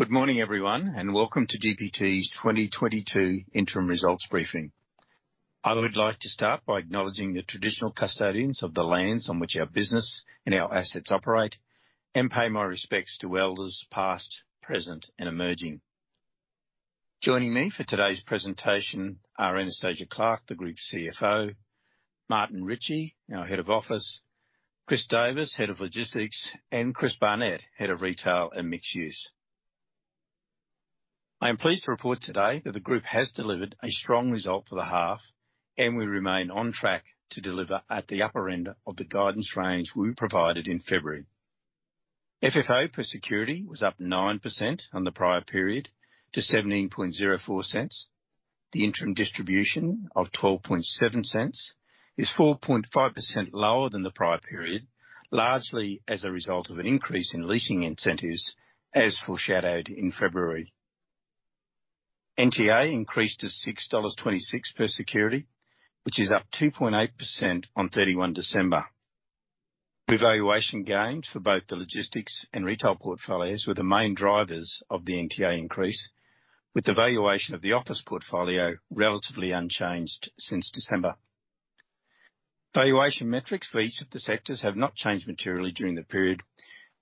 Good morning, everyone, and welcome to GPT's 2022 Interim Results briefing. I would like to start by acknowledging the traditional custodians of the lands on which our business and our assets operate, and pay my respects to elders past, present, and emerging. Joining me for today's presentation are Anastasia Clarke, the Group CFO, Martin Ritchie, our Head of Office, Chris Davis, Head of Logistics, and Chris Barnett, Head of Retail and Mixed-Use. I am pleased to report today that the group has delivered a strong result for the half, and we remain on track to deliver at the upper end of the guidance range we provided in February. FFO per security was up 9% on the prior period to 0.1704. The interim distribution of 0.127 is 4.5% lower than the prior period, largely as a result of an increase in leasing incentives as foreshadowed in February. NTA increased to 6.26 dollars per security, which is up 2.8% on 31 December. Revaluation gains for both the logistics and retail portfolios were the main drivers of the NTA increase, with the valuation of the office portfolio relatively unchanged since December. Valuation metrics for each of the sectors have not changed materially during the period,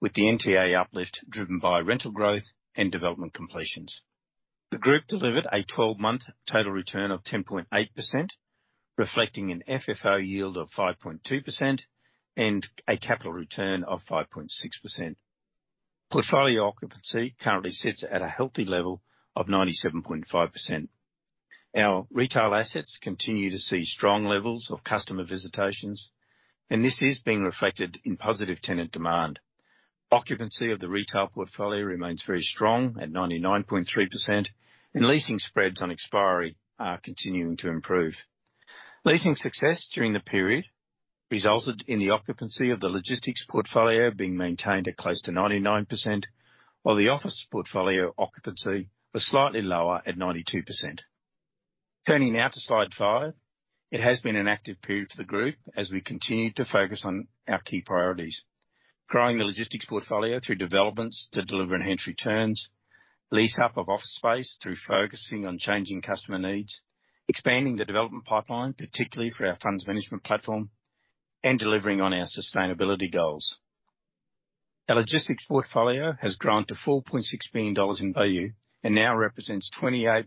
with the NTA uplift driven by rental growth and development completions. The group delivered a 12-month total return of 10.8%, reflecting an FFO yield of 5.2% and a capital return of 5.6%. Portfolio occupancy currently sits at a healthy level of 97.5%. Our retail assets continue to see strong levels of customer visitations, and this is being reflected in positive tenant demand. Occupancy of the retail portfolio remains very strong at 99.3% and leasing spreads on expiry are continuing to improve. Leasing success during the period resulted in the occupancy of the logistics portfolio being maintained at close to 99%, while the office portfolio occupancy was slightly lower at 92%. Turning now to slide five. It has been an active period for the group as we continue to focus on our key priorities, growing the logistics portfolio through developments to deliver enhanced returns, lease-up of office space through focusing on changing customer needs, expanding the development pipeline, particularly for our funds management platform, and delivering on our sustainability goals. Our logistics portfolio has grown to 4.6 billion dollars in value and now represents 28%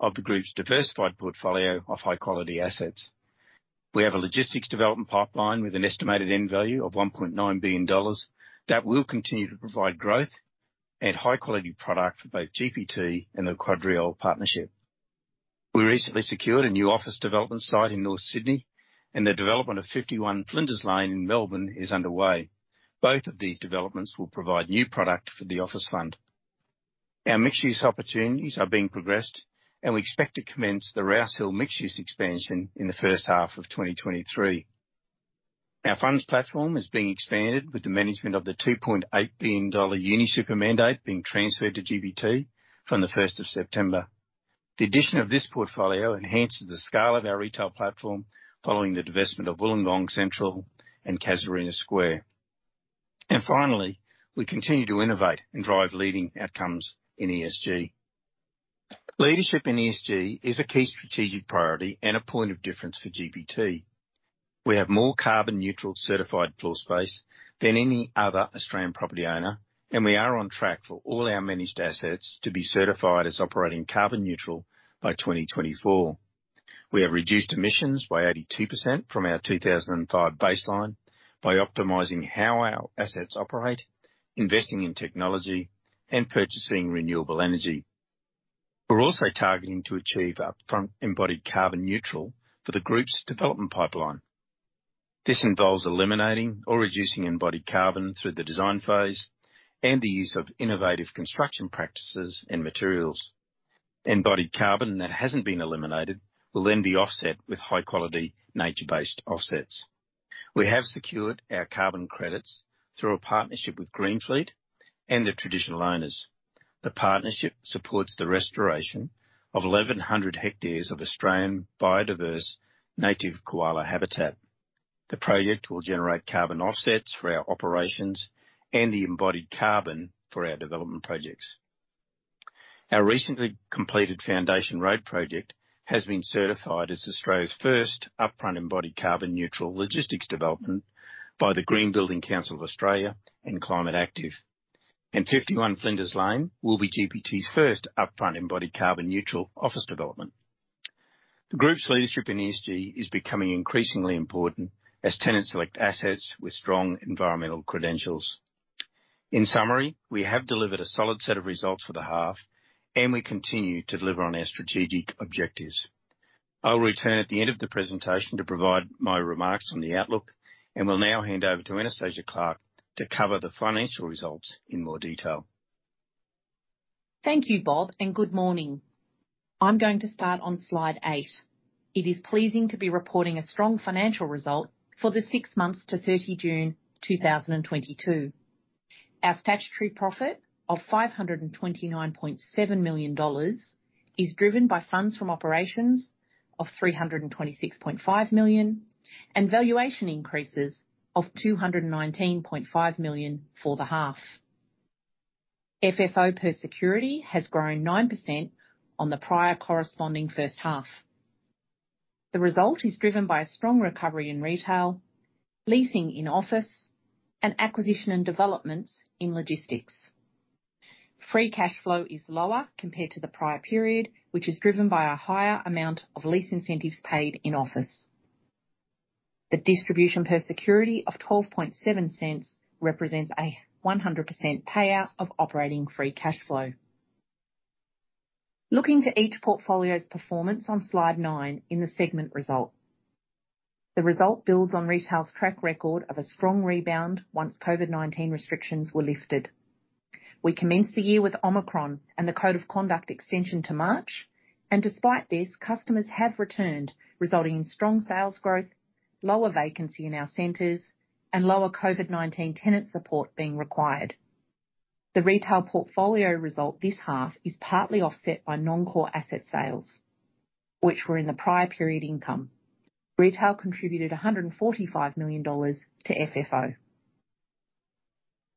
of the group's diversified portfolio of high-quality assets. We have a logistics development pipeline with an estimated end value of 1.9 billion dollars that will continue to provide growth and high quality product for both GPT and the QuadReal partnership. We recently secured a new office development site in North Sydney, and the development of 51 Flinders Lane in Melbourne is underway. Both of these developments will provide new product for the office fund. Our mixed-use opportunities are being progressed, and we expect to commence the Rouse Hill mixed use expansion in the first half of 2023. Our funds platform is being expanded with the management of the 2.8 billion dollar UniSuper mandate being transferred to GPT from the 1st of September. The addition of this portfolio enhances the scale of our retail platform, following the divestment of Wollongong Central and Casuarina Square. Finally, we continue to innovate and drive leading outcomes in ESG. Leadership in ESG is a key strategic priority and a point of difference for GPT. We have more carbon neutral certified floor space than any other Australian property owner, and we are on track for all our managed assets to be certified as operating carbon neutral by 2024. We have reduced emissions by 82% from our 2005 baseline by optimizing how our assets operate, investing in technology, and purchasing renewable energy. We're also targeting to achieve upfront embodied carbon neutral for the group's development pipeline. This involves eliminating or reducing embodied carbon through the design phase and the use of innovative construction practices and materials. Embodied carbon that hasn't been eliminated will then be offset with high-quality nature-based offsets. We have secured our carbon credits through a partnership with Greenfleet and the traditional owners. The partnership supports the restoration of 1,100 hectares of Australian biodiverse native koala habitat. The project will generate carbon offsets for our operations and the embodied carbon for our development projects. Our recently completed Foundation Road project has been certified as Australia's first upfront embodied carbon neutral logistics development by the Green Building Council of Australia and Climate Active. 51 Flinders Lane will be GPT's first upfront embodied carbon neutral office development. The group's leadership in ESG is becoming increasingly important as tenants select assets with strong environmental credentials. In summary, we have delivered a solid set of results for the half, and we continue to deliver on our strategic objectives. I'll return at the end of the presentation to provide my remarks on the outlook, and will now hand over to Anastasia Clarke to cover the financial results in more detail. Thank you, Bob, and good morning. I'm going to start on slide eight. It is pleasing to be reporting a strong financial result for the six months to 30 June 2022. Our statutory profit of 529.7 million dollars is driven by funds from operations of 326.5 million and valuation increases of 219.5 million for the half. FFO per security has grown 9% on the prior corresponding first half. The result is driven by a strong recovery in retail, leasing in office, and acquisition and developments in logistics. Free cash flow is lower compared to the prior period, which is driven by a higher amount of lease incentives paid in office. The distribution per security of 0.127 represents a 100% payout of operating free cash flow. Looking to each portfolio's performance on slide nine in the segment result. The result builds on retail's track record of a strong rebound once COVID-19 restrictions were lifted. We commenced the year with Omicron and the COVID lockdown extension to March, and despite this, customers have returned, resulting in strong sales growth, lower vacancy in our centers, and lower COVID-19 tenant support being required. The retail portfolio result this half is partly offset by non-core asset sales, which were in the prior period income. Retail contributed 145 million dollars to FFO.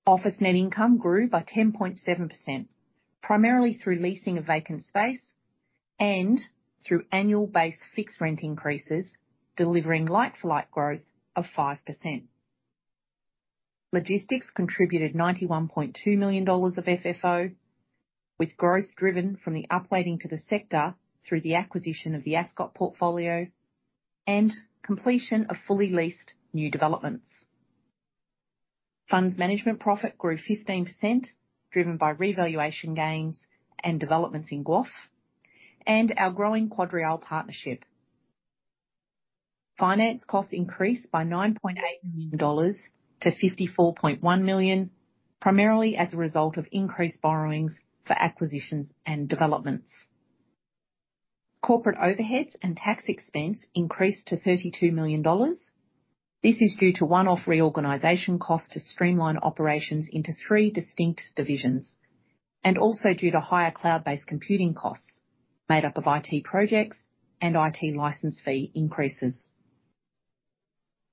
Office net income grew by 10.7%, primarily through leasing of vacant space and through annual base fixed rent increases, delivering like-for-like growth of 5%. Logistics contributed 91.2 million dollars of FFO, with growth driven from the upweighting to the sector through the acquisition of the Ascot portfolio and completion of fully leased new developments. Funds management profit grew 15%, driven by revaluation gains and developments in GWOF and our growing QuadReal partnership. Finance costs increased by AUD 9.8 million-AUD 54.1 million, primarily as a result of increased borrowings for acquisitions and developments. Corporate overheads and tax expense increased to AUD 32 million. This is due to one-off reorganization costs to streamline operations into three distinct divisions, and also due to higher cloud-based computing costs made up of IT projects and IT license fee increases.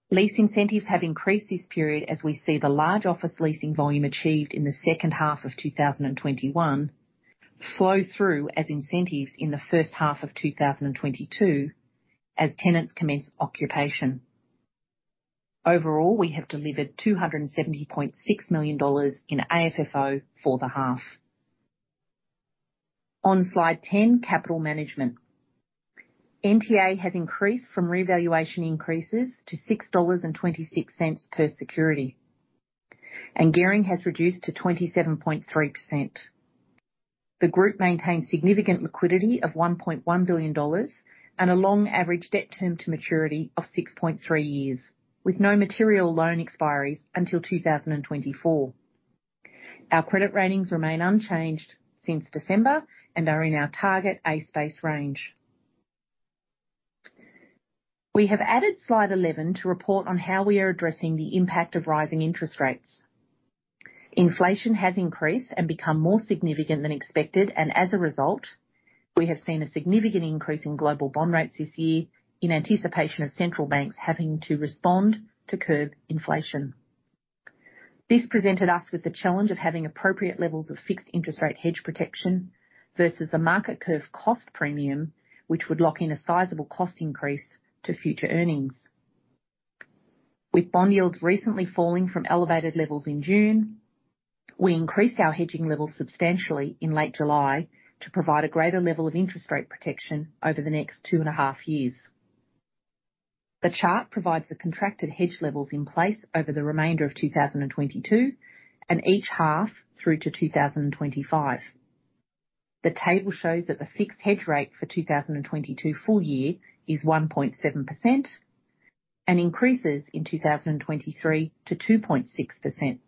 Lease incentives have increased this period as we see the large office leasing volume achieved in the second half of 2021 flow through as incentives in the first half of 2022 as tenants commence occupation. Overall, we have delivered 270.6 million dollars in AFFO for the half. On slide 10, capital management. NTA has increased from revaluation increases to 6.26 dollars per security, and gearing has reduced to 27.3%. The group maintains significant liquidity of 1.1 billion dollars and a long average debt term to maturity of 6.3 years, with no material loan expiries until 2024. Our credit ratings remain unchanged since December and are in our target A space range. We have added slide 11 to report on how we are addressing the impact of rising interest rates. Inflation has increased and become more significant than expected, and as a result, we have seen a significant increase in global bond rates this year in anticipation of central banks having to respond to curb inflation. This presented us with the challenge of having appropriate levels of fixed interest rate hedge protection versus the market curve cost premium, which would lock in a sizable cost increase to future earnings. With bond yields recently falling from elevated levels in June, we increased our hedging levels substantially in late July to provide a greater level of interest rate protection over the next 2.5 years. The chart provides the contracted hedge levels in place over the remainder of 2022 and each half through to 2025. The table shows that the fixed hedge rate for 2022 full year is 1.7% and increases in 2023 to 2.6%.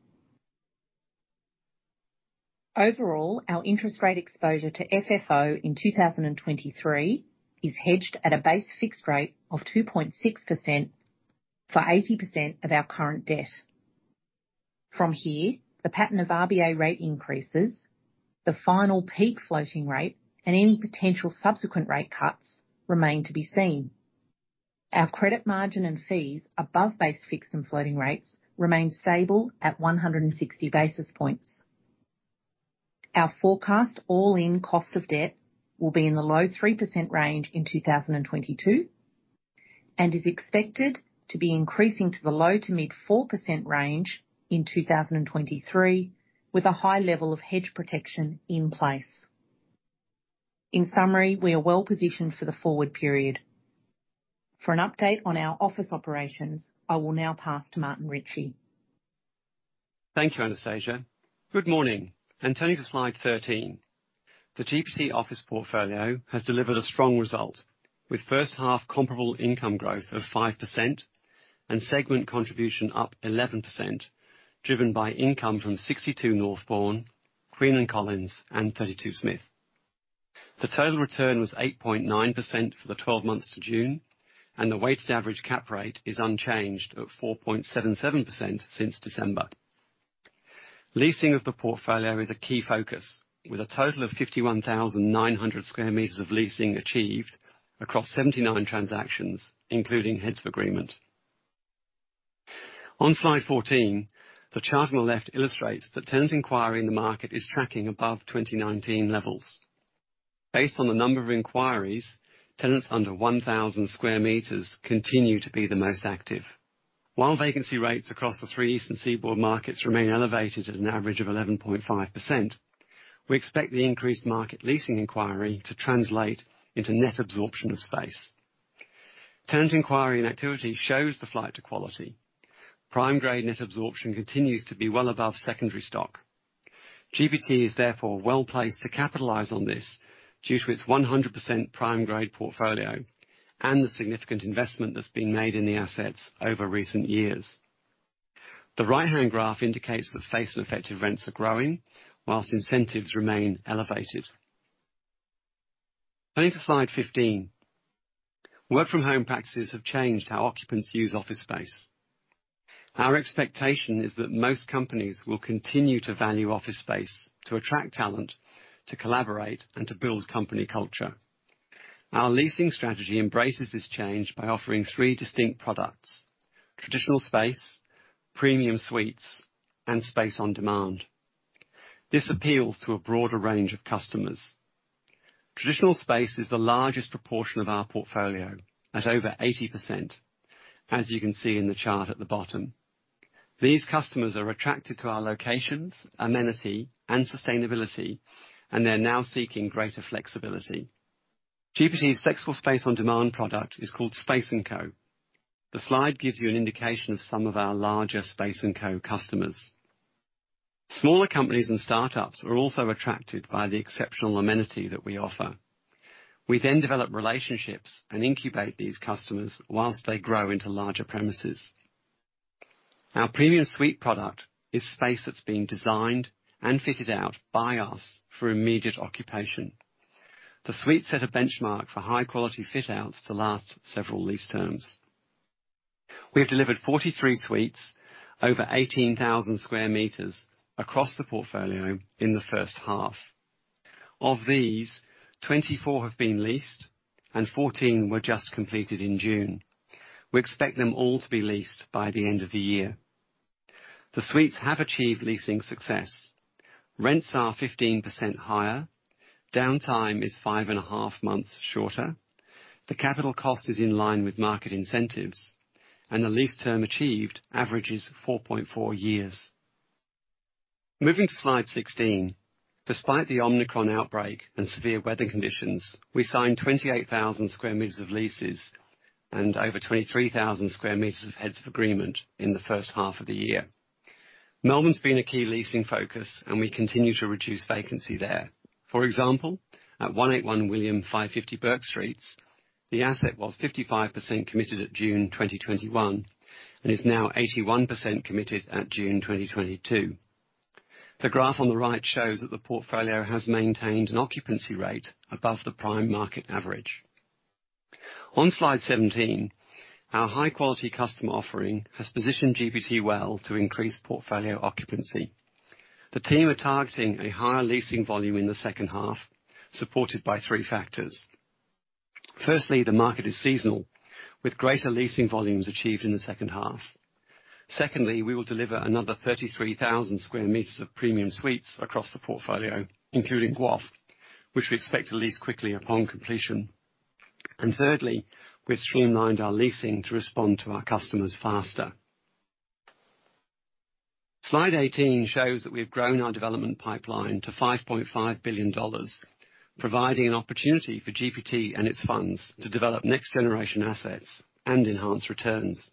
Overall, our interest rate exposure to FFO in 2023 is hedged at a base fixed rate of 2.6% for 80% of our current debt. From here, the pattern of RBA rate increases, the final peak floating rate, and any potential subsequent rate cuts remain to be seen. Our credit margin and fees above base fixed and floating rates remain stable at 160 basis points. Our forecast all-in cost of debt will be in the low 3% range in 2022 and is expected to be increasing to the low-to-mid 4% range in 2023, with a high level of hedge protection in place. In summary, we are well positioned for the forward period. For an update on our office operations, I will now pass to Martin Ritchie. Thank you, Anastasia. Good morning, and turning to slide 13. The GPT office portfolio has delivered a strong result with first-half comparable income growth of 5% and segment contribution up 11%, driven by income from 62 Northbourne, Queen and Collins, and 32 Smith. The total return was 8.9% for the 12 months to June, and the weighted average cap rate is unchanged at 4.77% since December. Leasing of the portfolio is a key focus, with a total of 51,900 sq m of leasing achieved across 79 transactions, including heads of agreement. On slide 14, the chart on the left illustrates that tenant inquiry in the market is tracking above 2019 levels. Based on the number of inquiries, tenants under 1,000 sq m continue to be the most active. While vacancy rates across the three Eastern Seaboard markets remain elevated at an average of 11.5%, we expect the increased market leasing inquiry to translate into net absorption of space. Tenant inquiry and activity shows the flight to quality. Prime grade net absorption continues to be well above secondary stock. GPT is therefore well-placed to capitalize on this due to its 100% prime grade portfolio and the significant investment that's been made in the assets over recent years. The right-hand graph indicates that face and effective rents are growing, while incentives remain elevated. Turning to slide 15. Work from home practices have changed how occupants use office space. Our expectation is that most companies will continue to value office space to attract talent, to collaborate, and to build company culture. Our leasing strategy embraces this change by offering three distinct products, traditional space, premium suites, and space on demand. This appeals to a broader range of customers. Traditional space is the largest proportion of our portfolio at over 80%, as you can see in the chart at the bottom. These customers are attracted to our locations, amenity, and sustainability, and they're now seeking greater flexibility. GPT's flexible space on-demand product is called Space & Co. The slide gives you an indication of some of our larger Space & Co customers. Smaller companies and startups are also attracted by the exceptional amenity that we offer. We then develop relationships and incubate these customers whilst they grow into larger premises. Our premium suite product is space that's been designed and fitted out by us for immediate occupation. The suites set a benchmark for high-quality fit outs to last several lease terms. We have delivered 43 suites over 18,000 sq m across the portfolio in the first half. Of these, 24 have been leased and 14 were just completed in June. We expect them all to be leased by the end of the year. The suites have achieved leasing success. Rents are 15% higher, downtime is 5.5 months shorter, the capital cost is in line with market incentives, and the lease term achieved averages 4.4 years. Moving to slide 16. Despite the Omicron outbreak and severe weather conditions, we signed 28,000 sq m of leases and over 23,000 sq m of heads of agreement in the first half of the year. Melbourne's been a key leasing focus, and we continue to reduce vacancy there. For example, at 181 William 550 Bourke Streets, the asset was 55% committed at June 2021 and is now 81% committed at June 2022. The graph on the right shows that the portfolio has maintained an occupancy rate above the prime market average. On slide 17, our high-quality customer offering has positioned GPT well to increase portfolio occupancy. The team are targeting a higher leasing volume in the second half, supported by three factors. Firstly, the market is seasonal, with greater leasing volumes achieved in the second half. Secondly, we will deliver another 33,000 sq m of premium suites across the portfolio, including GWOF, which we expect to lease quickly upon completion. Thirdly, we've streamlined our leasing to respond to our customers faster. Slide 18 shows that we've grown our development pipeline to 5.5 billion dollars, providing an opportunity for GPT and its funds to develop next generation assets and enhance returns.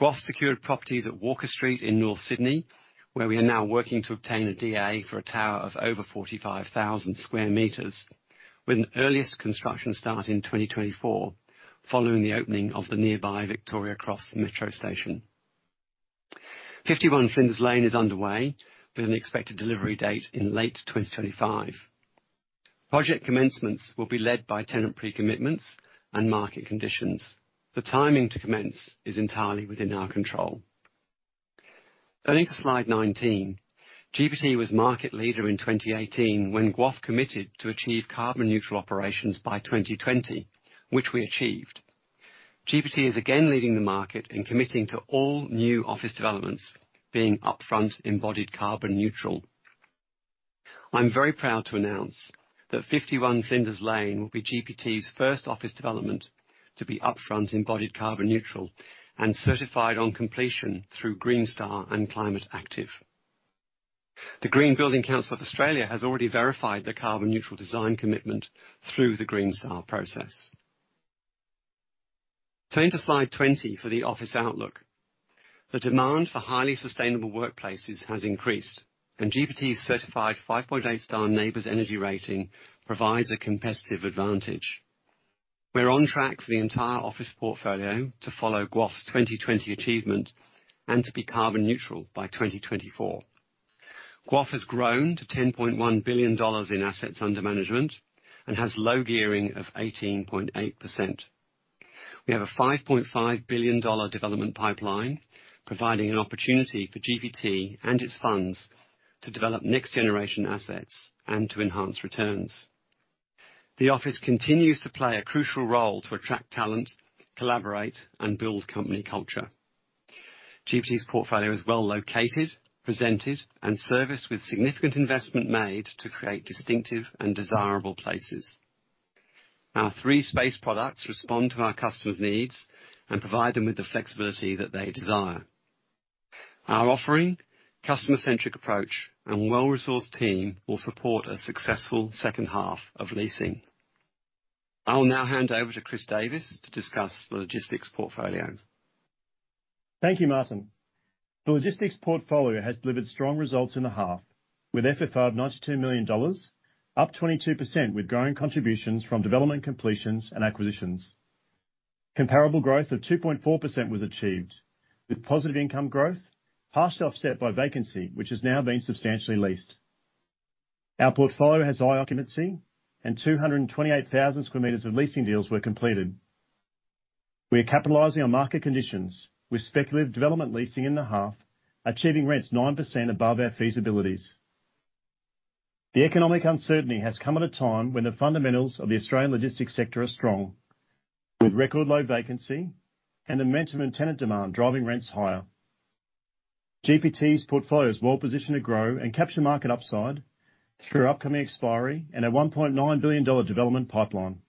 GWOF secured properties at Walker Street in North Sydney, where we are now working to obtain a DA for a tower of over 45,000 sq m with an earliest construction start in 2024, following the opening of the nearby Victoria Cross metro station. 51 Flinders Lane is underway with an expected delivery date in late 2025. Project commencements will be led by tenant pre-commitments and market conditions. The timing to commence is entirely within our control. Turning to slide 19. GPT was market leader in 2018 when GWOF committed to achieve carbon neutral operations by 2020, which we achieved. GPT is again leading the market in committing to all new office developments being upfront embodied carbon neutral. I'm very proud to announce that 51 Flinders Lane will be GPT's first office development to be upfront embodied carbon neutral and certified on completion through Green Star and Climate Active. The Green Building Council of Australia has already verified the carbon neutral design commitment through the Green Star process. Turning to slide 20 for the office outlook. The demand for highly sustainable workplaces has increased, and GPT's certified 5.8-star NABERS energy rating provides a competitive advantage. We're on track for the entire office portfolio to follow GWOF's 2020 achievement and to be carbon neutral by 2024. GWOF has grown to 10.1 billion dollars in assets under management and has low gearing of 18.8%. We have a 5.5 billion dollar development pipeline, providing an opportunity for GPT and its funds to develop next generation assets and to enhance returns. The office continues to play a crucial role to attract talent, collaborate, and build company culture. GPT's portfolio is well-located, presented, and serviced with significant investment made to create distinctive and desirable places. Our three space products respond to our customers' needs and provide them with the flexibility that they desire. Our offering, customer-centric approach, and well-resourced team will support a successful second half of leasing. I'll now hand over to Chris Davis to discuss the logistics portfolio. Thank you, Martin. The logistics portfolio has delivered strong results in the half, with FFO of 92 million dollars, up 22% with growing contributions from development completions and acquisitions. Comparable growth of 2.4% was achieved, with positive income growth partially offset by vacancy, which has now been substantially leased. Our portfolio has high occupancy and 228,000 sq m of leasing deals were completed. We are capitalizing on market conditions with speculative development leasing in the half, achieving rents 9% above our feasibilities. The economic uncertainty has come at a time when the fundamentals of the Australian logistics sector are strong, with record low vacancy and the momentum in tenant demand driving rents higher. GPT's portfolio is well positioned to grow and capture market upside through upcoming expiry and a 1.9 billion dollar development pipeline.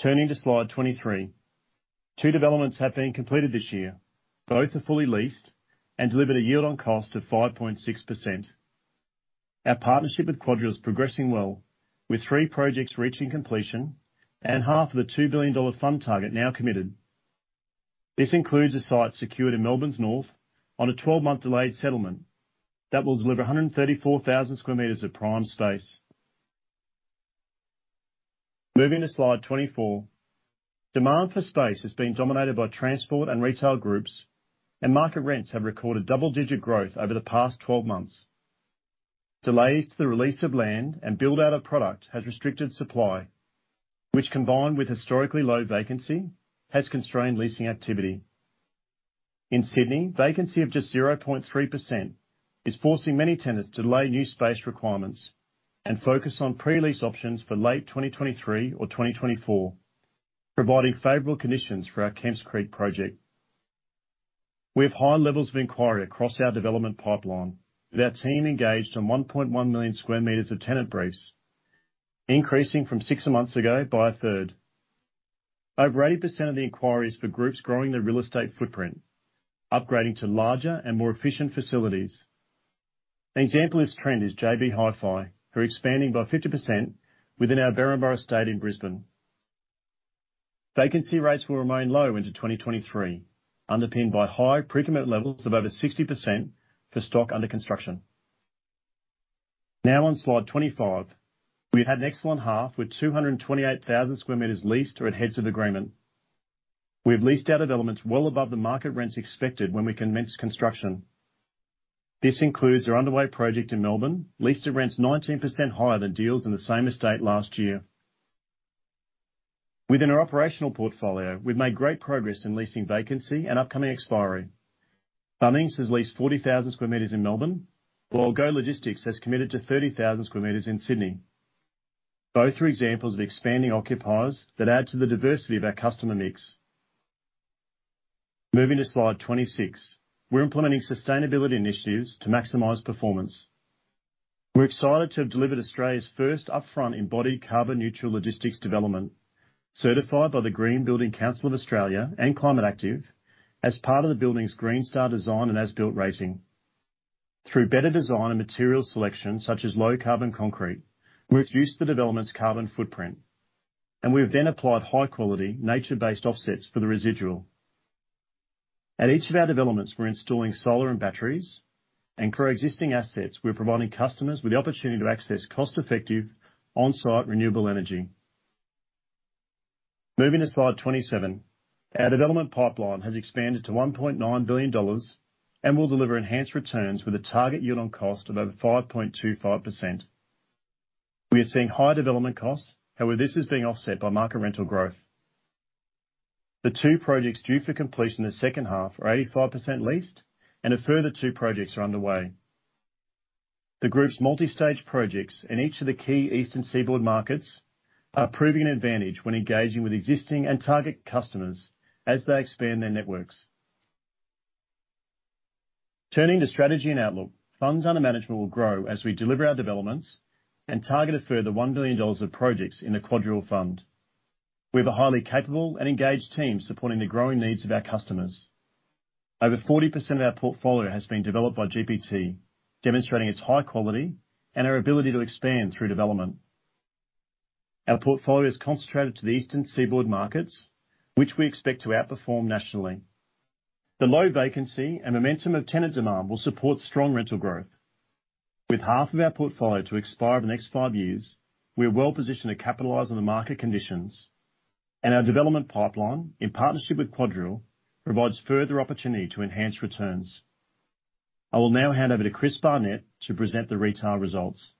Turning to slide 23. Two developments have been completed this year. Both are fully leased and delivered a yield on cost of 5.6%. Our partnership with QuadReal is progressing well, with three projects reaching completion and half of the 2 billion dollar fund target now committed. This includes a site secured in Melbourne's north on a 12-month delayed settlement that will deliver 134,000 sq m of prime space. Moving to slide 24. Demand for space has been dominated by transport and retail groups, and market rents have recorded double-digit growth over the past 12 months. Delays to the release of land and build-out of product has restricted supply, which combined with historically low vacancy, has constrained leasing activity. In Sydney, vacancy of just 0.3% is forcing many tenants to delay new space requirements and focus on pre-lease options for late 2023 or 2024, providing favorable conditions for our Kemps Creek project. We have high levels of inquiry across our development pipeline, with our team engaged on 1.1 million sq m of tenant briefs, increasing from six months ago by a third. Over 80% of the inquiry is for groups growing their real estate footprint, upgrading to larger and more efficient facilities. An example of this trend is JB Hi-Fi, who are expanding by 50% within our Berrinba estate in Brisbane. Vacancy rates will remain low into 2023, underpinned by high pre-commitment levels of over 60% for stock under construction. Now on slide 25. We've had an excellent half with 228,000 sq m leased or at heads of agreement. We have leased out developments well above the market rents expected when we commenced construction. This includes our underway project in Melbourne, leased at rents 19% higher than deals in the same estate last year. Within our operational portfolio, we've made great progress in leasing vacancy and upcoming expiry. Bunnings has leased 40,000 sq m in Melbourne, while Go Logistics has committed to 30,000 sq m in Sydney. Both are examples of expanding occupiers that add to the diversity of our customer mix. Moving to slide 26. We're implementing sustainability initiatives to maximize performance. We're excited to have delivered Australia's first upfront embodied carbon-neutral logistics development, certified by the Green Building Council of Australia and Climate Active as part of the building's Green Star design and as-built rating. Through better design and material selection, such as low carbon concrete, we've reduced the development's carbon footprint, and we have then applied high-quality nature-based offsets for the residual. At each of our developments, we're installing solar and batteries, and for our existing assets, we're providing customers with the opportunity to access cost-effective on-site renewable energy. Moving to slide 27. Our development pipeline has expanded to 1.9 billion dollars and will deliver enhanced returns with a target yield on cost of over 5.25%. We are seeing high development costs, however, this is being offset by market rental growth. The two projects due for completion in the second half are 85% leased and a further two projects are underway. The group's multi-stage projects in each of the key Eastern Seaboard markets are proving an advantage when engaging with existing and target customers as they expand their networks. Turning to strategy and outlook. Funds under management will grow as we deliver our developments and target a further 1 billion dollars of projects in the QuadReal fund. We have a highly capable and engaged team supporting the growing needs of our customers. Over 40% of our portfolio has been developed by GPT, demonstrating its high quality and our ability to expand through development. Our portfolio is concentrated to the Eastern Seaboard markets, which we expect to outperform nationally. The low vacancy and momentum of tenant demand will support strong rental growth. With half of our portfolio to expire over the next five years, we are well positioned to capitalize on the market conditions, and our development pipeline, in partnership with QuadReal, provides further opportunity to enhance returns. I will now hand over to Chris Barnett to present the retail results.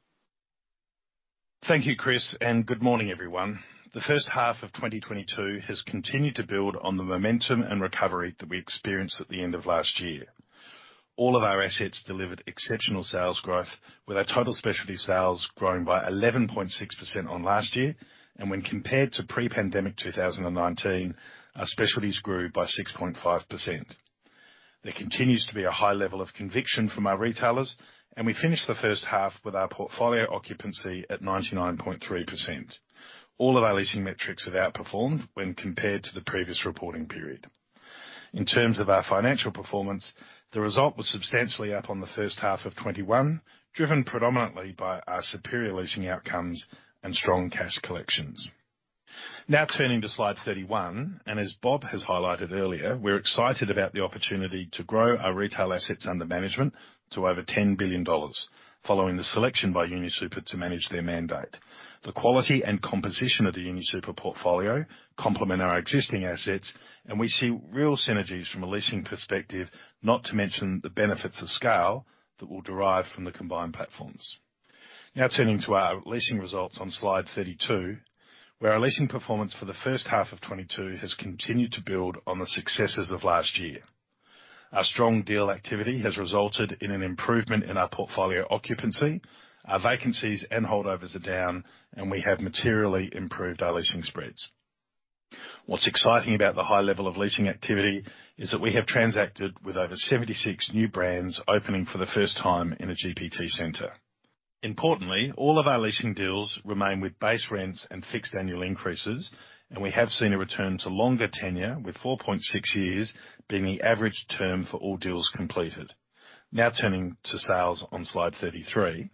Thank you, Chris, and good morning, everyone. The first half of 2022 has continued to build on the momentum and recovery that we experienced at the end of last year. All of our assets delivered exceptional sales growth, with our total specialty sales growing by 11.6% on last year. When compared to pre-pandemic 2019, our specialties grew by 6.5%. There continues to be a high level of conviction from our retailers, and we finished the first half with our portfolio occupancy at 99.3%. All of our leasing metrics have outperformed when compared to the previous reporting period. In terms of our financial performance, the result was substantially up on the first half of 2021, driven predominantly by our superior leasing outcomes and strong cash collections. Now turning to slide 31, as Bob has highlighted earlier, we're excited about the opportunity to grow our retail assets under management to over 10 billion dollars following the selection by UniSuper to manage their mandate. The quality and composition of the UniSuper portfolio complement our existing assets, and we see real synergies from a leasing perspective, not to mention the benefits of scale that will derive from the combined platforms. Now turning to our leasing results on slide 32, where our leasing performance for the first half of 2022 has continued to build on the successes of last year. Our strong deal activity has resulted in an improvement in our portfolio occupancy. Our vacancies and holdovers are down, and we have materially improved our leasing spreads. What's exciting about the high level of leasing activity is that we have transacted with over 76 new brands opening for the first time in a GPT center. Importantly, all of our leasing deals remain with base rents and fixed annual increases, and we have seen a return to longer tenure, with 4.6 years being the average term for all deals completed. Now turning to sales on slide 33.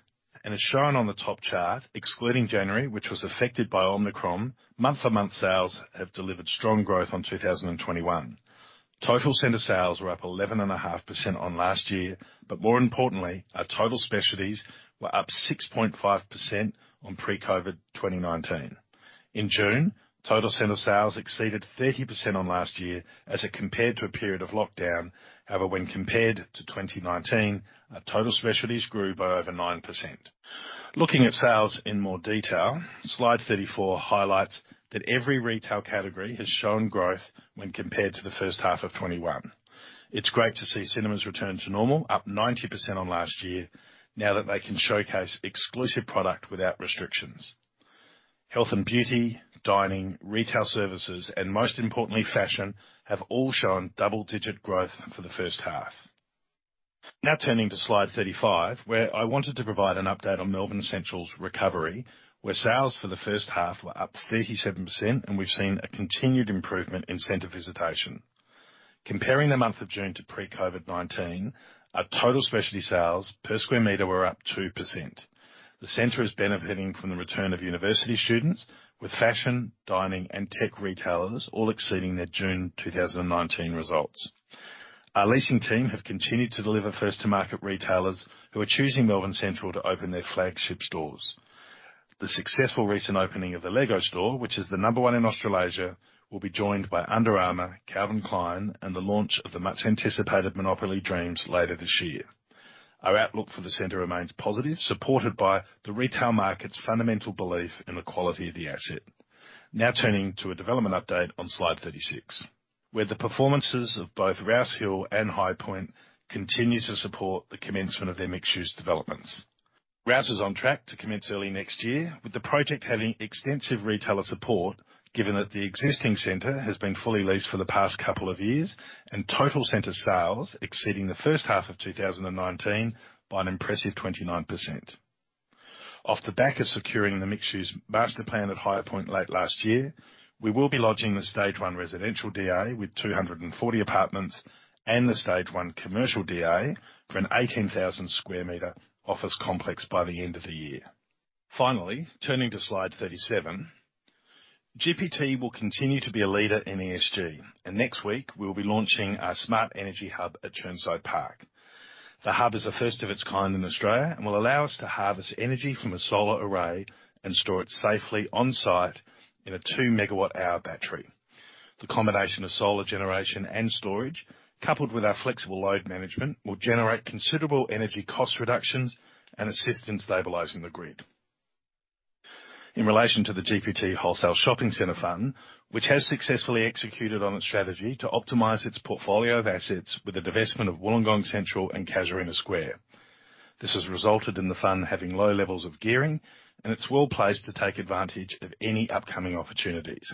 As shown on the top chart, excluding January, which was affected by Omicron, month-to-month sales have delivered strong growth on 2021. Total center sales were up 11.5% on last year, but more importantly, our total specialties were up 6.5% on pre-COVID 2019. In June, total center sales exceeded 30% on last year as it compared to a period of lockdown. However, when compared to 2019, our total specialties grew by over 9%. Looking at sales in more detail, slide 34 highlights that every retail category has shown growth when compared to the first half of 2021. It's great to see cinemas return to normal, up 90% on last year, now that they can showcase exclusive product without restrictions. Health and beauty, dining, retail services, and most importantly, fashion, have all shown double-digit growth for the first half. Now turning to slide 35, where I wanted to provide an update on Melbourne Central's recovery, where sales for the first half were up 37%, and we've seen a continued improvement in center visitation. Comparing the month of June to pre-COVID-19, our total specialty sales per square meter were up 2%. The center is benefiting from the return of university students with fashion, dining, and tech retailers all exceeding their June 2019 results. Our leasing team have continued to deliver first to market retailers who are choosing Melbourne Central to open their flagship stores. The successful recent opening of the Lego store, which is the number one in Australasia, will be joined by Under Armour, Calvin Klein, and the launch of the much-anticipated Monopoly Dreams later this year. Our outlook for the center remains positive, supported by the retail market's fundamental belief in the quality of the asset. Now turning to a development update on slide 36, where the performances of both Rouse Hill and Highpoint continue to support the commencement of their mixed-use developments. Rouse Hill is on track to commence early next year with the project having extensive retailer support, given that the existing center has been fully leased for the past couple of years and total center sales exceeding the first half of 2019 by an impressive 29%. Off the back of securing the mixed-use master plan at Highpoint late last year, we will be lodging the stage one residential DA with 240 apartments and the stage one commercial DA for an 18,000 sq m office complex by the end of the year. Finally, turning to slide 37. GPT will continue to be a leader in ESG, and next week we will be launching our smart energy hub at Chirnside Park. The hub is the first of its kind in Australia and will allow us to harvest energy from a solar array and store it safely on-site in a 2 MWh battery. The combination of solar generation and storage, coupled with our flexible load management, will generate considerable energy cost reductions and assist in stabilizing the grid. In relation to the GPT Wholesale Shopping Centre Fund, which has successfully executed on its strategy to optimize its portfolio of assets with the divestment of Wollongong Central and Casuarina Square. This has resulted in the fund having low levels of gearing, and it's well-placed to take advantage of any upcoming opportunities.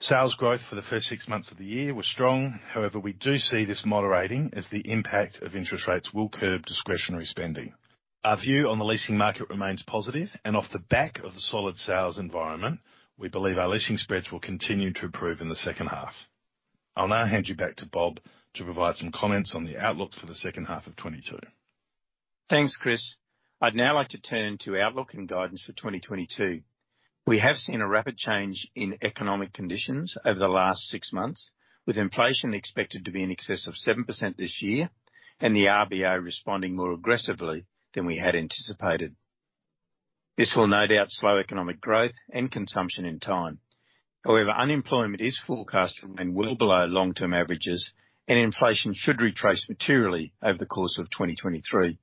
Sales growth for the first six months of the year was strong. However, we do see this moderating as the impact of interest rates will curb discretionary spending. Our view on the leasing market remains positive, and off the back of the solid sales environment, we believe our leasing spreads will continue to improve in the second half. I'll now hand you back to Bob to provide some comments on the outlook for the second half of 2022. Thanks, Chris. I'd now like to turn to outlook and guidance for 2022. We have seen a rapid change in economic conditions over the last six months, with inflation expected to be in excess of 7% this year and the RBA responding more aggressively than we had anticipated. This will no doubt slow economic growth and consumption in time. However, unemployment is forecast to remain well below long-term averages, and inflation should retrace materially over the course of 2023.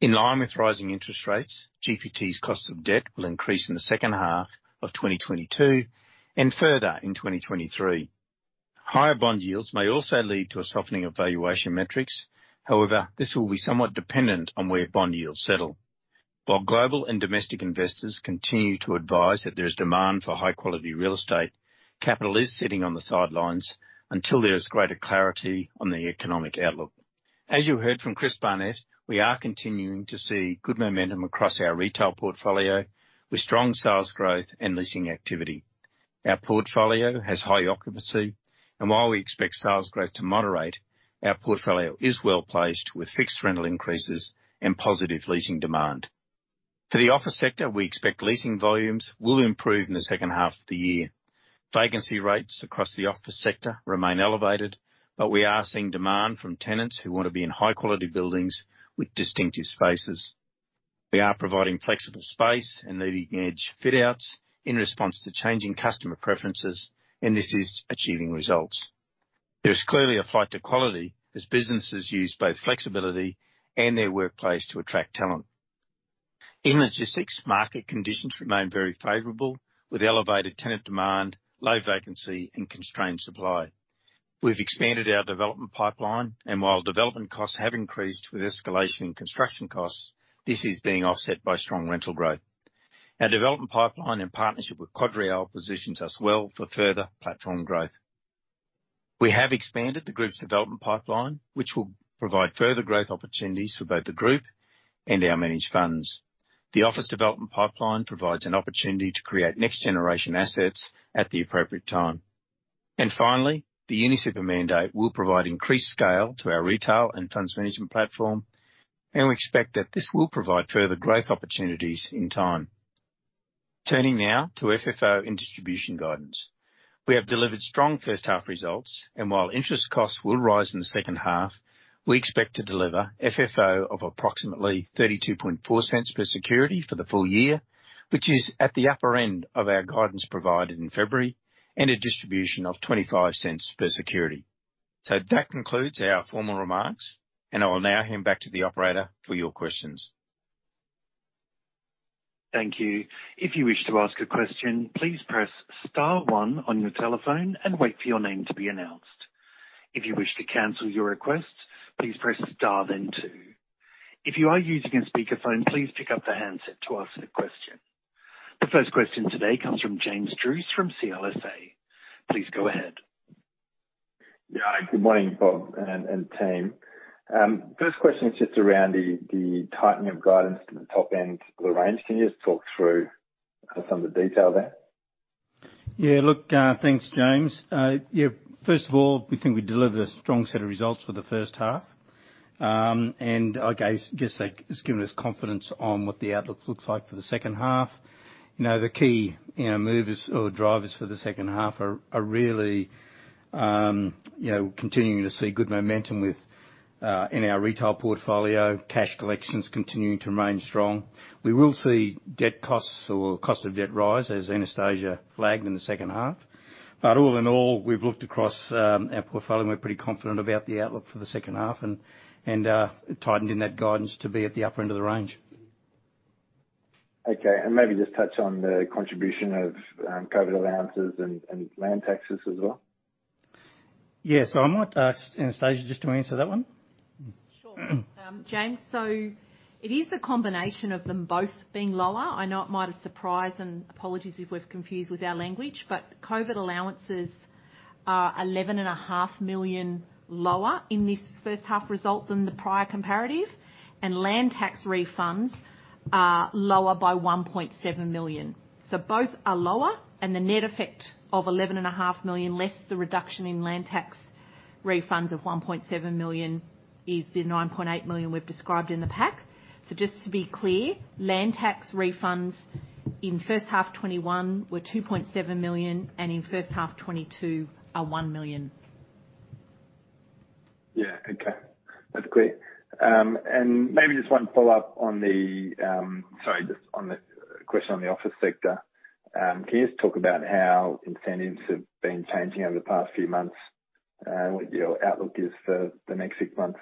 In line with rising interest rates, GPT's cost of debt will increase in the second half of 2022 and further in 2023. Higher bond yields may also lead to a softening of valuation metrics. However, this will be somewhat dependent on where bond yields settle. While global and domestic investors continue to advise that there is demand for high-quality real estate, capital is sitting on the sidelines until there is greater clarity on the economic outlook. As you heard from Chris Barnett, we are continuing to see good momentum across our retail portfolio, with strong sales growth and leasing activity. Our portfolio has high occupancy, and while we expect sales growth to moderate, our portfolio is well-placed with fixed rental increases and positive leasing demand. For the office sector, we expect leasing volumes will improve in the second half of the year. Vacancy rates across the office sector remain elevated, but we are seeing demand from tenants who want to be in high-quality buildings with distinctive spaces. We are providing flexible space and leading-edge fit outs in response to changing customer preferences, and this is achieving results. There is clearly a flight to quality as businesses use both flexibility and their workplace to attract talent. In logistics, market conditions remain very favorable, with elevated tenant demand, low vacancy, and constrained supply. We've expanded our development pipeline, and while development costs have increased with escalation in construction costs, this is being offset by strong rental growth. Our development pipeline in partnership with QuadReal positions us well for further platform growth. We have expanded the group's development pipeline, which will provide further growth opportunities for both the group and our managed funds. The office development pipeline provides an opportunity to create next-generation assets at the appropriate time. Finally, the UniSuper mandate will provide increased scale to our retail and funds management platform, and we expect that this will provide further growth opportunities in time. Turning now to FFO and distribution guidance. We have delivered strong first half results, and while interest costs will rise in the second half, we expect to deliver FFO of approximately 0.324 per security for the full year, which is at the upper end of our guidance provided in February, and a distribution of 0.25 per security. That concludes our formal remarks, and I will now hand back to the operator for your questions. Thank you. If you wish to ask a question, please press star, one on your telephone and wait for your name to be announced. If you wish to cancel your request, please press star then two. If you are using a speakerphone, please pick up the handset to ask the question. The first question today comes from James Druce from CLSA. Please go ahead. Yeah. Good morning, Bob and team. First question is just around the tightening of guidance to the top end of the range. Can you just talk through some of the detail there? Yeah. Look, thanks, James. Yeah, first of all, we think we delivered a strong set of results for the first half. I guess that has given us confidence on what the outlook looks like for the second half. You know, the key you know movers or drivers for the second half are really you know continuing to see good momentum within our retail portfolio, cash collections continuing to remain strong. We will see debt costs or cost of debt rise, as Anastasia flagged, in the second half. All in all, we've looked across our portfolio and we're pretty confident about the outlook for the second half and tightened our guidance to be at the upper end of the range. Okay, maybe just touch on the contribution of COVID allowances and land taxes as well. Yeah. I might ask Anastasia just to answer that one. Sure. James, it is a combination of them both being lower. I know it might have surprised, and apologies if we've confused with our language, but COVID allowances are 11.5 million lower in this first half result than the prior comparative, and land tax refunds are lower by 1.7 million. Both are lower, and the net effect of 11.5 million, less the reduction in land tax refunds of 1.7 million, is the 9.8 million we've described in the pack. Just to be clear, land tax refunds in first half 2021 were 2.7 million, and in first half 2022 are 1 million. Yeah. Okay. That's clear. Maybe just one follow-up on the. Sorry, just on the question on the office sector. Can you just talk about how incentives have been changing over the past few months, and what your outlook is for the next six months?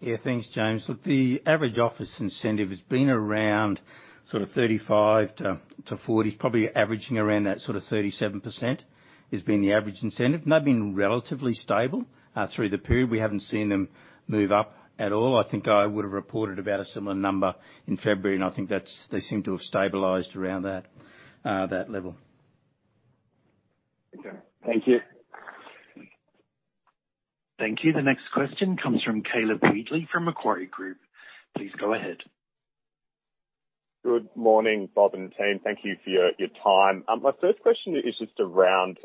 Yeah. Thanks, James. Look, the average office incentive has been around sort of 35 to 40, probably averaging around that sort of 37% has been the average incentive. They've been relatively stable through the period. We haven't seen them move up at all. I think I would have reported about a similar number in February, and I think that's, they seem to have stabilized around that level. Okay. Thank you. Thank you. The next question comes from Caleb Wheatley from Macquarie Group. Please go ahead. Good morning, Bob and team. Thank you for your time. My first question is just around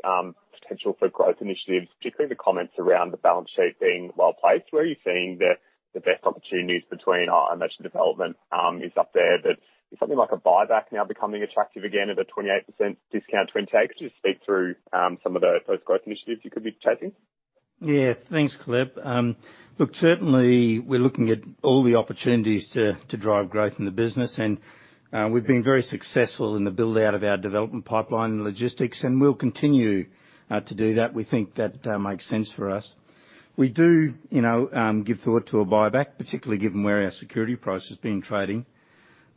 potential for growth initiatives, particularly the comments around the balance sheet being well-placed. Where are you seeing the best opportunities between I imagine development is up there, but is something like a buyback now becoming attractive again at a 28% discount to NTA? Could you just speak through some of those growth initiatives you could be chasing? Yeah. Thanks, Caleb. Look, certainly we're looking at all the opportunities to drive growth in the business, and we've been very successful in the build-out of our development pipeline and logistics, and we'll continue to do that. We think that makes sense for us. We do, you know, give thought to a buyback, particularly given where our security price has been trading.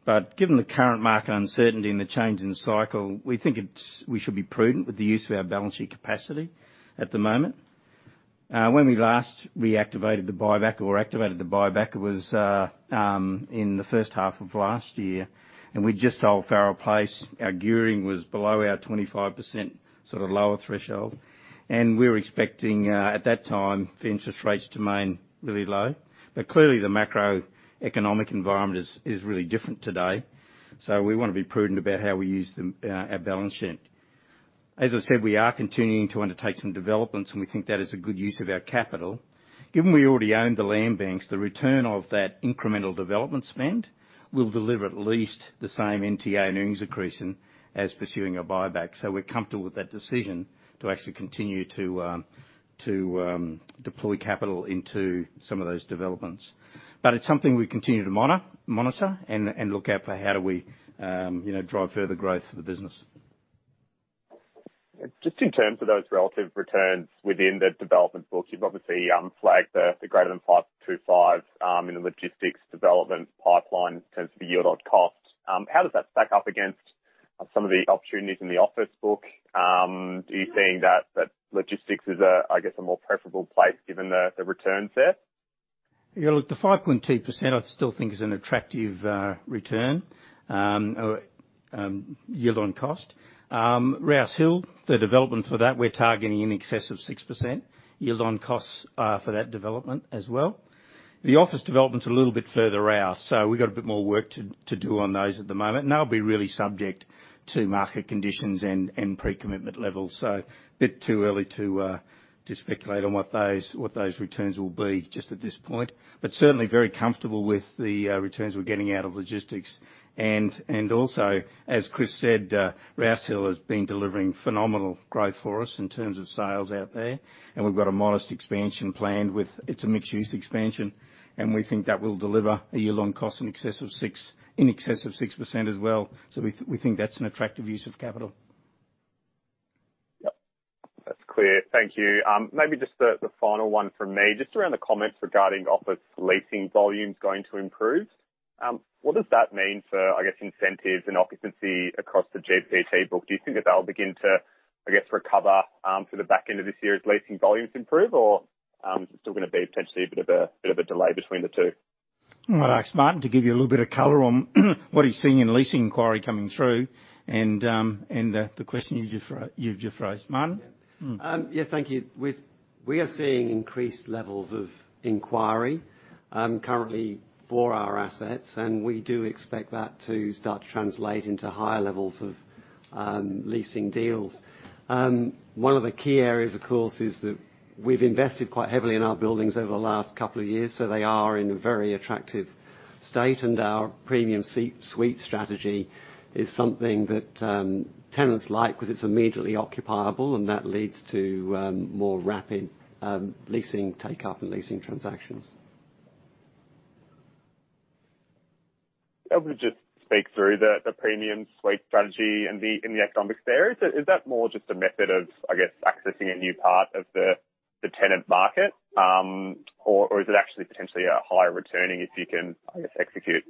But given the current market uncertainty and the change in the cycle, we think it's we should be prudent with the use of our balance sheet capacity at the moment. When we last reactivated the buyback or activated the buyback, it was in the first half of last year, and we'd just sold Farrer Place. Our gearing was below our 25% sort of lower threshold. We were expecting at that time for interest rates to remain really low. Clearly, the macroeconomic environment is really different today, so we wanna be prudent about how we use our balance sheet. As I said, we are continuing to undertake some developments, and we think that is a good use of our capital. Given we already own the land banks, the return of that incremental development spend will deliver at least the same NTA and earnings accretion as pursuing a buyback. We're comfortable with that decision to actually continue to deploy capital into some of those developments. It's something we continue to monitor and look out for how we you know drive further growth for the business. Just in terms of those relative returns within the development books, you've obviously flagged the greater than 5.25% in the logistics development pipeline in terms of the yield on cost. How does that stack up against some of the opportunities in the office book? Are you seeing that logistics is a more preferable place given the returns there? Yeah, look, the 5.2% I still think is an attractive return or yield on cost. Rouse Hill, the development for that we're targeting in excess of 6% yield on costs for that development as well. The office development's a little bit further out, so we've got a bit more work to do on those at the moment. They'll be really subject to market conditions and pre-commitment levels. A bit too early to speculate on what those returns will be just at this point. Certainly very comfortable with the returns we're getting out of logistics. Also, as Chris said, Rouse Hill has been delivering phenomenal growth for us in terms of sales out there, and we've got a modest expansion planned with. It's a mixed-use expansion, and we think that will deliver a year-long cost in excess of 6% as well. We think that's an attractive use of capital. Yep. That's clear. Thank you. Maybe just the final one from me, just around the comments regarding office leasing volumes going to improve. What does that mean for, I guess, incentives and occupancy across the GPT book? Do you think that that'll begin to, I guess, recover, for the back end of this year as leasing volumes improve? Or, is it still gonna be potentially a bit of a delay between the two? I'll ask Martin to give you a little bit of color on what he's seeing in leasing inquiry coming through and the question you've just raised. Martin. Yeah. Mm. Yeah. Thank you. We are seeing increased levels of inquiry, currently for our assets, and we do expect that to start to translate into higher levels of leasing deals. One of the key areas, of course, is that we've invested quite heavily in our buildings over the last couple of years, so they are in a very attractive state. Our premium suite strategy is something that tenants like 'cause it's immediately occupiable, and that leads to more rapid leasing take-up and leasing transactions. Able to just speak through the premium suite strategy and the economics there. Is that more just a method of, I guess, accessing a new part of the tenant market? Or is it actually potentially a higher returning if you can, I guess, execute?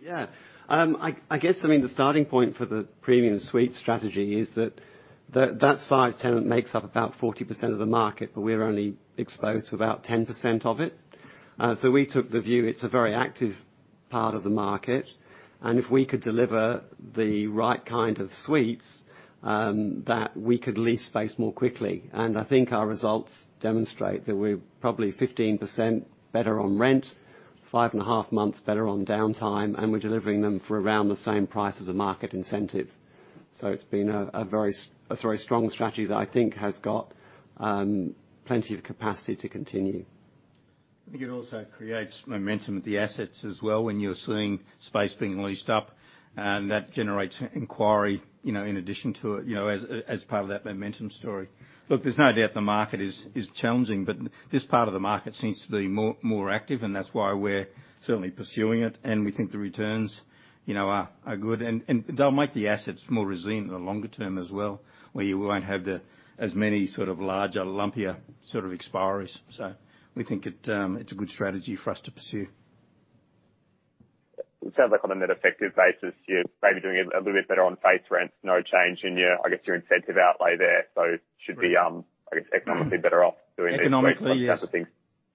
Yeah. I guess, I mean, the starting point for the premium suite strategy is that that size tenant makes up about 40% of the market, but we're only exposed to about 10% of it. We took the view it's a very active part of the market, and if we could deliver the right kind of suites, that we could lease space more quickly. I think our results demonstrate that we're probably 15% better on rent, 5.5 months better on downtime, and we're delivering them for around the same price as a market incentive. It's been a very strong strategy that I think has got plenty of capacity to continue. I think it also creates momentum with the assets as well, when you're seeing space being leased up, that generates inquiry, you know, in addition to it, you know, as part of that momentum story. Look, there's no doubt the market is challenging, but this part of the market seems to be more active, and that's why we're certainly pursuing it, and we think the returns, you know, are good. They'll make the assets more resilient in the longer term as well, where you won't have as many sort of larger, lumpier sort of expiries. We think it's a good strategy for us to pursue. It sounds like on a net effective basis, you're maybe doing a little bit better on base rents, no change in your, I guess, your incentive outlay there. Should be, I guess, economically better off doing these. Economically, yes. Types of things.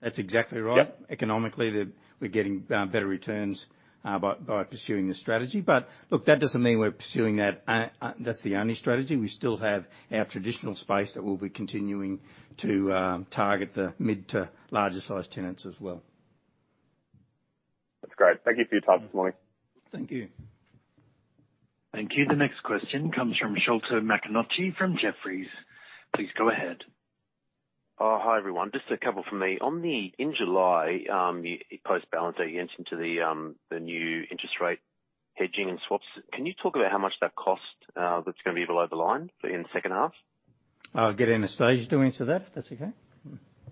That's exactly right. Yep. Economically, we're getting better returns by pursuing this strategy. Look, that doesn't mean we're pursuing that that's the only strategy. We still have our traditional space that we'll be continuing to target the mid to larger size tenants as well. That's great. Thank you for your time this morning. Thank you. Thank you. The next question comes from Sholto Maconochie from Jefferies. Please go ahead. Oh, hi, everyone. Just a couple from me. In July, post balance date, you entered into the new interest rate hedging and swaps. Can you talk about how much that cost, that's gonna be below the line in the second half? I'll get Anastasia to answer that, if that's okay.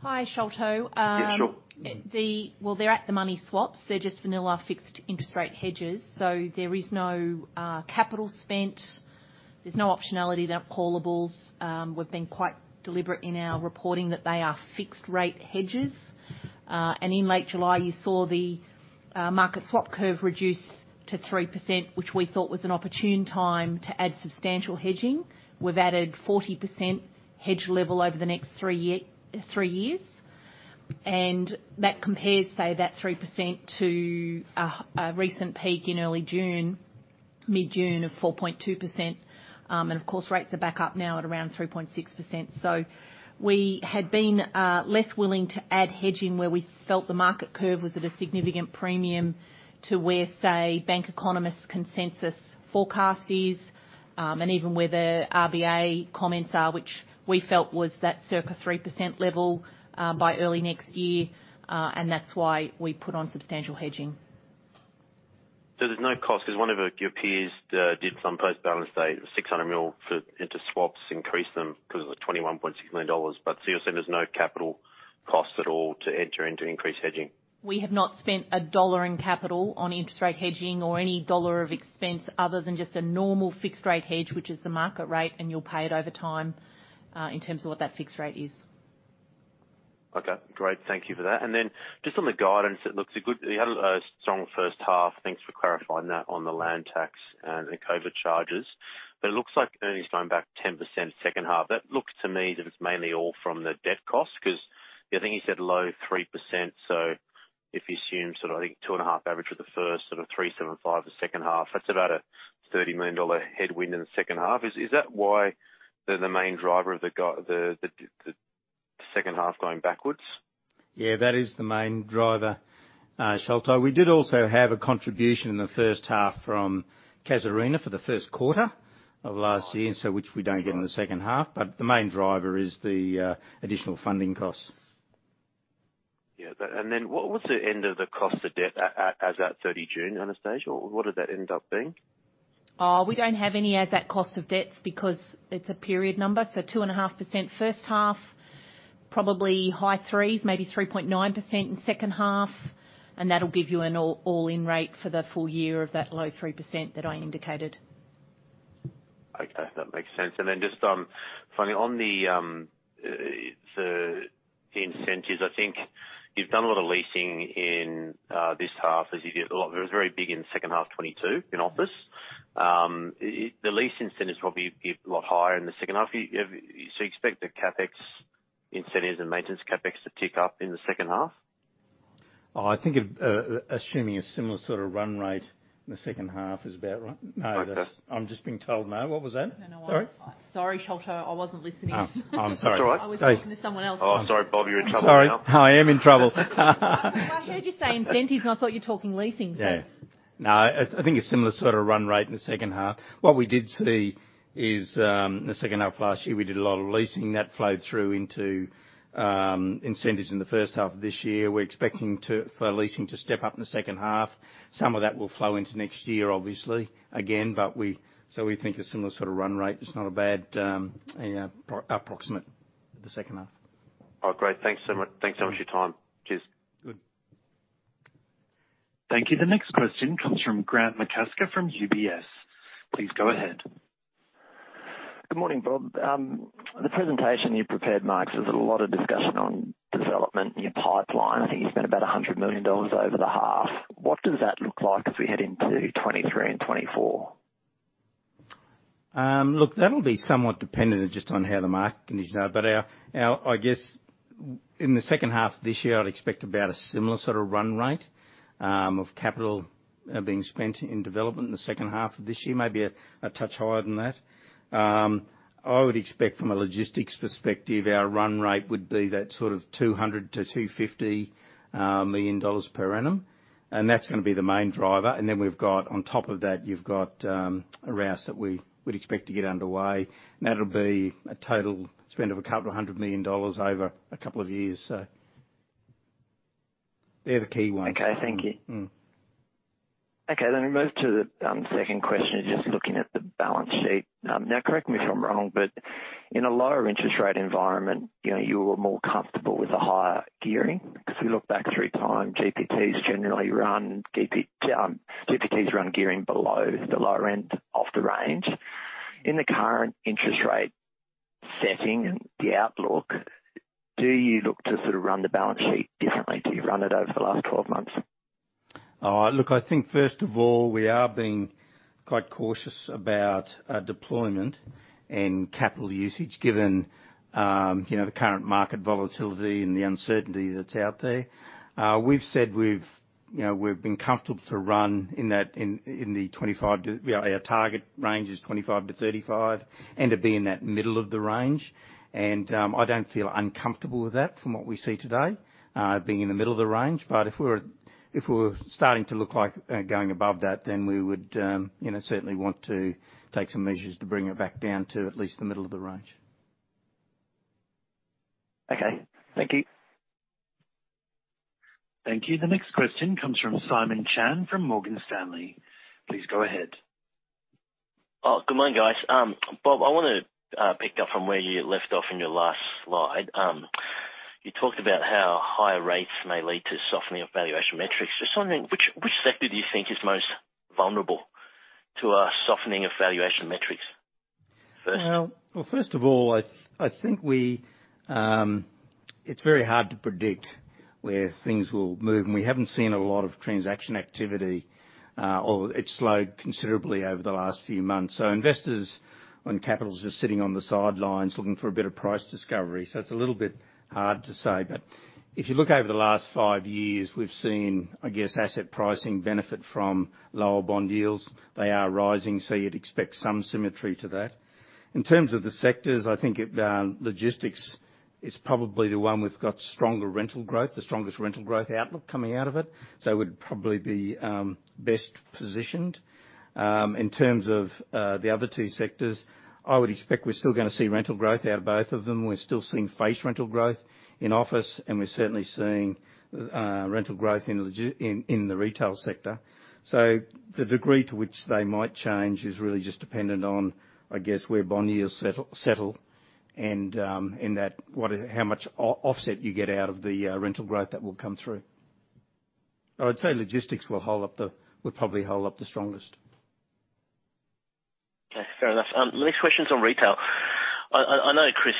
Hi, Sholto. Yeah, sure. Well, they're at-the-money swaps. They're just vanilla fixed interest rate hedges. There is no capital spent. There's no optionality. They're callables. We've been quite deliberate in our reporting that they are fixed rate hedges. In late July, you saw the market swap curve reduce to 3%, which we thought was an opportune time to add substantial hedging. We've added 40% hedge level over the next three years. That compares, say, that 3% to a recent peak in early June, mid-June of 4.2%. Of course, rates are back up now at around 3.6%. We had been less willing to add hedging where we felt the market curve was at a significant premium to where, say, bank economists' consensus forecast is, and even where the RBA comments are, which we felt was that circa 3% level by early next year, and that's why we put on substantial hedging. There's no cost because one of your peers did some post-balance date 600 million put into swaps, increased them because of the 21.6 million dollars. GPT has no capital cost at all to enter into increased hedging. We have not spent a dollar in capital on interest rate hedging or any dollar of expense other than just a normal fixed rate hedge, which is the market rate, and you'll pay it over time, in terms of what that fixed rate is. Okay, great. Thank you for that. Just on the guidance, it looks good. You had a strong first half. Thanks for clarifying that on the land tax and the COVID charges. It looks like earnings going back 10% second half. That looks to me that it's mainly all from the debt cost because I think you said low 3%, so if you assume sort of, I think, 2.5% average for the first, sort of 3.75% the second half, that's about a 30 million dollar headwind in the second half. Is that why they're the main driver of the second half going backwards? Yeah, that is the main driver, Sholto. We did also have a contribution in the first half from Casuarina for the first quarter of last year and so which we don't get in the second half, but the main driver is the additional funding costs. What was the end of the cost of debt as at 30 June, Anastasia? What did that end up being? We don't have any as at cost of debts because it's a period number. 2.5% first half, probably high threes, maybe 3.9% in second half, and that'll give you an all-in rate for the full year of that low 3% that I indicated. Okay. That makes sense. Just finally on the incentives, I think you've done a lot of leasing in this half as you did a lot. It was very big in second half 2022 in office. The lease incentives will be a lot higher in the second half. You expect the CapEx incentives and maintenance CapEx to tick up in the second half? I think it, assuming a similar sort of run rate in the second half is about right. No. Okay. I'm just being told no. What was that? No, no. Sorry? Sorry, Sholto, I wasn't listening. Oh. Oh, I'm sorry. That's all right. I was talking to someone else. Oh, sorry, Bob, you're in trouble now. Sorry. I am in trouble. I heard you say incentives, and I thought you were talking leasing. I think a similar sort of run rate in the second half. What we did see is, in the second half of last year, we did a lot of leasing. That flowed through into, incentives in the first half of this year. We're expecting for leasing to step up in the second half. Some of that will flow into next year, obviously, again, but we think a similar sort of run rate is not a bad approximation for the second half. Oh, great. Thanks so much. Thanks so much for your time. Cheers. Good. Thank you. The next question comes from Grant McCasker from UBS. Please go ahead. Good morning, Bob. The presentation you prepared, there's a lot of discussion on development in your pipeline. I think you spent about 100 million dollars over the half. What does that look like as we head into 2023 and 2024? Look, that'll be somewhat dependent just on how the market conditions are. Our I guess in the second half of this year, I'd expect about a similar sort of run rate of capital being spent in development in the second half of this year, maybe a touch higher than that. I would expect from a logistics perspective, our run rate would be that sort of 200 million-250 million dollars per annum, and that's gonna be the main driver. On top of that, you've got Rouse that we would expect to get underway. That'll be a total spend of 200 million dollars over a couple of years. They're the key ones. Okay. Thank you. Mm. Okay. We move to the second question, just looking at the balance sheet. Now correct me if I'm wrong, but in a lower interest rate environment, you know, you were more comfortable with the higher gearing. If we look back through time, GPT's generally run gearing below the lower end of the range. In the current interest rate setting and the outlook, do you look to sort of run the balance sheet differently to you've run it over the last 12 months? Look, I think first of all, we are being quite cautious about deployment and capital usage, given, you know, the current market volatility and the uncertainty that's out there. We've said, you know, we've been comfortable to run in that, in the 25%-35%. Our target range is 25%-35%, and to be in the middle of the range. I don't feel uncomfortable with that from what we see today, being in the middle of the range. If we're starting to look like going above that, then we would, you know, certainly want to take some measures to bring it back down to at least the middle of the range. Okay. Thank you. Thank you. The next question comes from Simon Chan from Morgan Stanley. Please go ahead. Oh, good morning, guys. Bob, I wanna pick up from where you left off in your last slide. You talked about how higher rates may lead to softening of valuation metrics. Just wondering, which sector do you think is most vulnerable to a softening of valuation metrics first? Well, first of all, I think it's very hard to predict where things will move, and we haven't seen a lot of transaction activity, or it's slowed considerably over the last few months. Investors and capital are sitting on the sidelines looking for a bit of price discovery, so it's a little bit hard to say. If you look over the last five years, we've seen, I guess, asset pricing benefit from lower bond yields. They are rising, so you'd expect some symmetry to that. In terms of the sectors, I think logistics is probably the one that's got stronger rental growth, the strongest rental growth outlook coming out of it, so it would probably be best positioned. In terms of the other two sectors, I would expect we're still gonna see rental growth out of both of them. We're still seeing face rental growth in office, and we're certainly seeing rental growth in the retail sector. The degree to which they might change is really just dependent on, I guess, where bond yields settle and in that how much offset you get out of the rental growth that will come through. I would say logistics will probably hold up the strongest. Okay, fair enough. My next question's on retail. I know Chris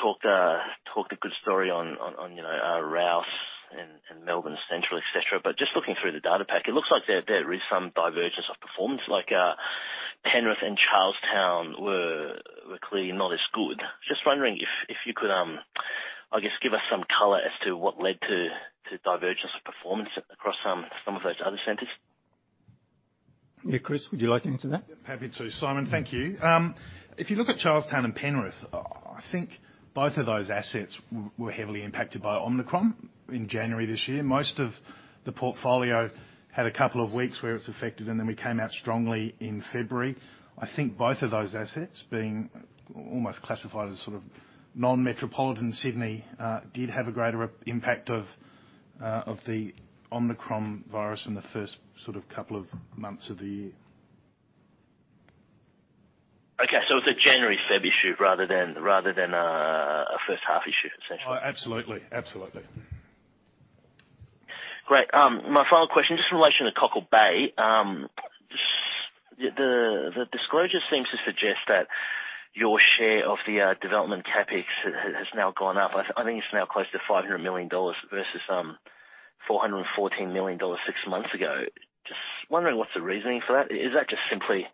talked a good story on, you know, Rouse and Melbourne Central, et cetera. But just looking through the data pack, it looks like there is some divergence of performance, like, Penrith and Charlestown were clearly not as good. Just wondering if you could, I guess, give us some color as to what led to divergence of performance across some of those other centers. Yeah. Chris, would you like to answer that? Happy to. Simon, thank you. If you look at Charlestown and Penrith, I think both of those assets were heavily impacted by Omicron in January this year. Most of the portfolio had a couple of weeks where it was affected, and then we came out strongly in February. I think both of those assets being almost classified as sort of non-metropolitan Sydney did have a greater impact of the Omicron virus in the first sort of couple of months of the year. Okay. It's a January, Feb issue rather than a first half issue, essentially. Oh, absolutely. Absolutely. Great. My final question, just in relation to Cockle Bay. The disclosure seems to suggest that your share of the development CapEx has now gone up. I think it's now close to 500 million dollars versus 414 million dollars six months ago. Just wondering what's the reasoning for that. Is that just simply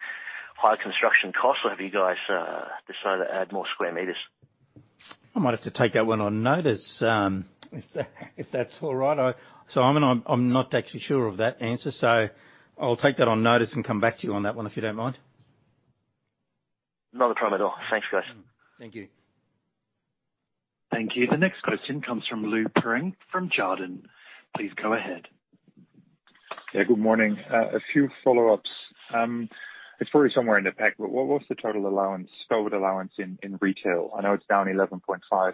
higher construction costs or have you guys decided to add more square meter? I might have to take that one on notice, if that's all right. Simon, I'm not actually sure of that answer, so I'll take that on notice and come back to you on that one if you don't mind. Not a problem at all. Thanks, guys. Thank you. Thank you. The next question comes from Lou Pirenc from Jarden. Please go ahead. Good morning. A few follow-ups. It's probably somewhere in the pack, but what's the total COVID allowance in retail? I know it's down 11.5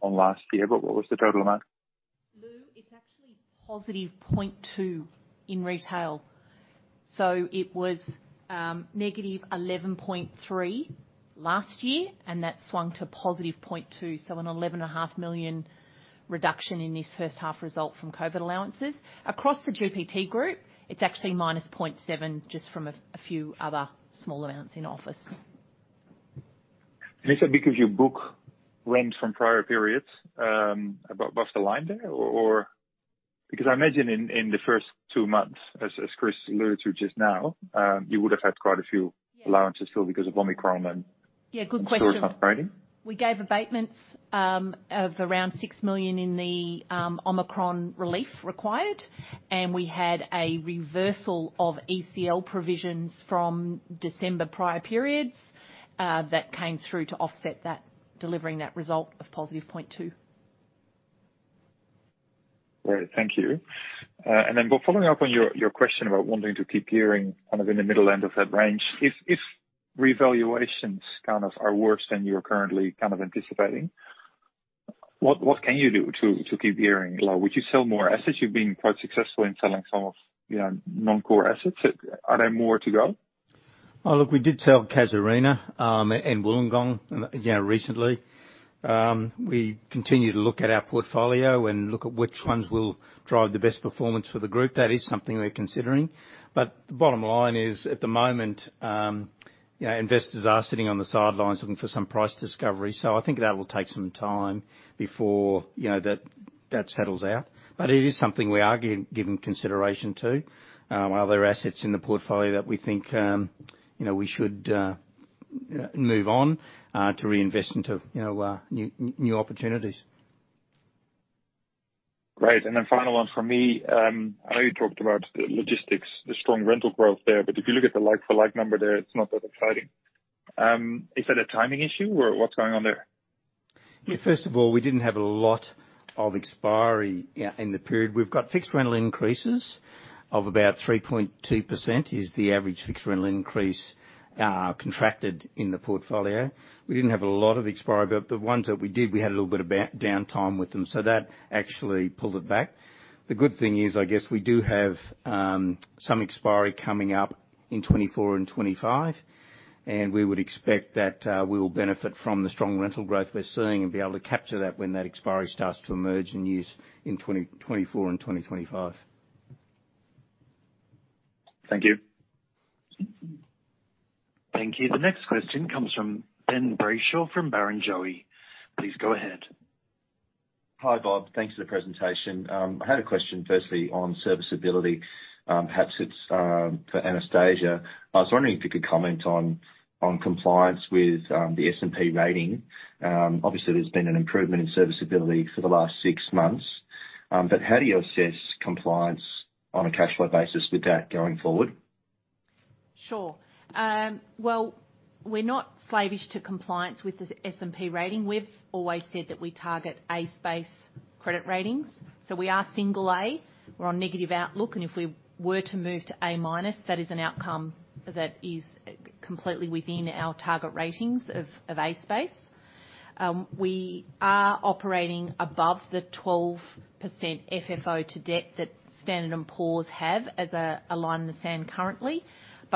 on last year, but what was the total amount? Lou, it's actually +0.2% in retail. It was -11.3% last year, and that swung to +0.2%. An 11.5 million reduction in this first half result from COVID allowances. Across the GPT Group, it's actually minus 0.7%, just from a few other small amounts in office. Is that because you book rent from prior periods above the line there or because I imagine in the first two months as Chris alluded to just now, you would have had quite a few. Yeah. Allowances filled because of Omicron and. Yeah, good question. Store operating. We gave abatements of around 6 million in the Omicron relief required, and we had a reversal of ECL provisions from December prior periods that came through to offset that, delivering that result of +0.2%. Great. Thank you. Bob, following up on your question about wanting to keep gearing kind of in the middle end of that range. If revaluations kind of are worse than you're currently kind of anticipating, what can you do to keep gearing low? Would you sell more assets? You've been quite successful in selling some of, you know, non-core assets. Are there more to go? Oh, look, we did sell Casuarina, and Wollongong, you know, recently. We continue to look at our portfolio and look at which ones will drive the best performance for the group. That is something we're considering. The bottom line is, at the moment, you know, investors are sitting on the sidelines looking for some price discovery. I think that will take some time before, you know, that settles out. It is something we are giving consideration to. Are there assets in the portfolio that we think, you know, we should move on to reinvest into, you know, new opportunities. Great. Final one from me. I know you talked about logistics, the strong rental growth there, but if you look at the like for like number there, it's not that exciting. Is that a timing issue or what's going on there? Yeah. First of all, we didn't have a lot of expiry, yeah, in the period. We've got fixed rental increases of about 3.2% is the average fixed rental increase, contracted in the portfolio. We didn't have a lot of expiry, but the ones that we did, we had a little bit of downtime with them. So that actually pulled it back. The good thing is, I guess, we do have some expiry coming up in 2024 and 2025, and we would expect that we will benefit from the strong rental growth we're seeing and be able to capture that when that expiry starts to emerge in 2024 and 2025. Thank you. Thank you. The next question comes from Ben Brayshaw from Barrenjoey. Please go ahead. Hi, Bob. Thanks for the presentation. I had a question firstly on serviceability. Perhaps it's for Anastasia. I was wondering if you could comment on compliance with the S&P rating. Obviously, there's been an improvement in serviceability for the last six months. How do you assess compliance on a cash flow basis with that going forward? Sure. Well, we're not slavish to compliance with the S&P rating. We've always said that we target A space credit ratings. We are single A. We're on negative outlook, and if we were to move to A-minus, that is an outcome that is completely within our target ratings of A space. We are operating above the 12% FFO to debt that Standard & Poor's have as a line in the sand currently.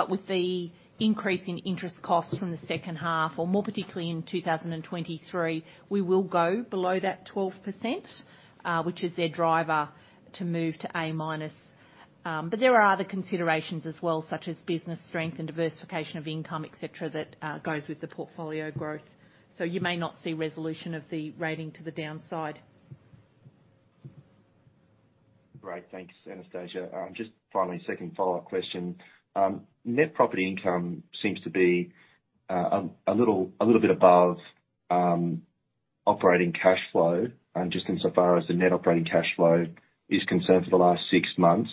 With the increase in interest costs from the second half or more particularly in 2023, we will go below that 12%, which is their driver to move to A-minus. There are other considerations as well, such as business strength and diversification of income, et cetera, that goes with the portfolio growth. You may not see resolution of the rating to the downside. Great. Thanks, Anastasia. Just finally, second follow-up question. Net property income seems to be a little bit above operating cash flow, just insofar as the net operating cash flow is concerned for the last six months.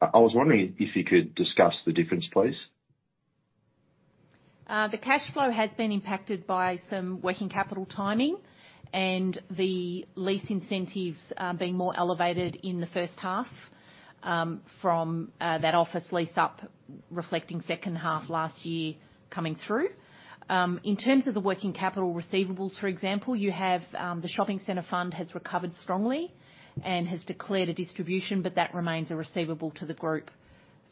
I was wondering if you could discuss the difference, please. The cash flow has been impacted by some working capital timing and the lease incentives being more elevated in the first half from that office lease up reflecting second half last year coming through. In terms of the working capital receivables, for example, you have the shopping center fund has recovered strongly and has declared a distribution, but that remains a receivable to the group.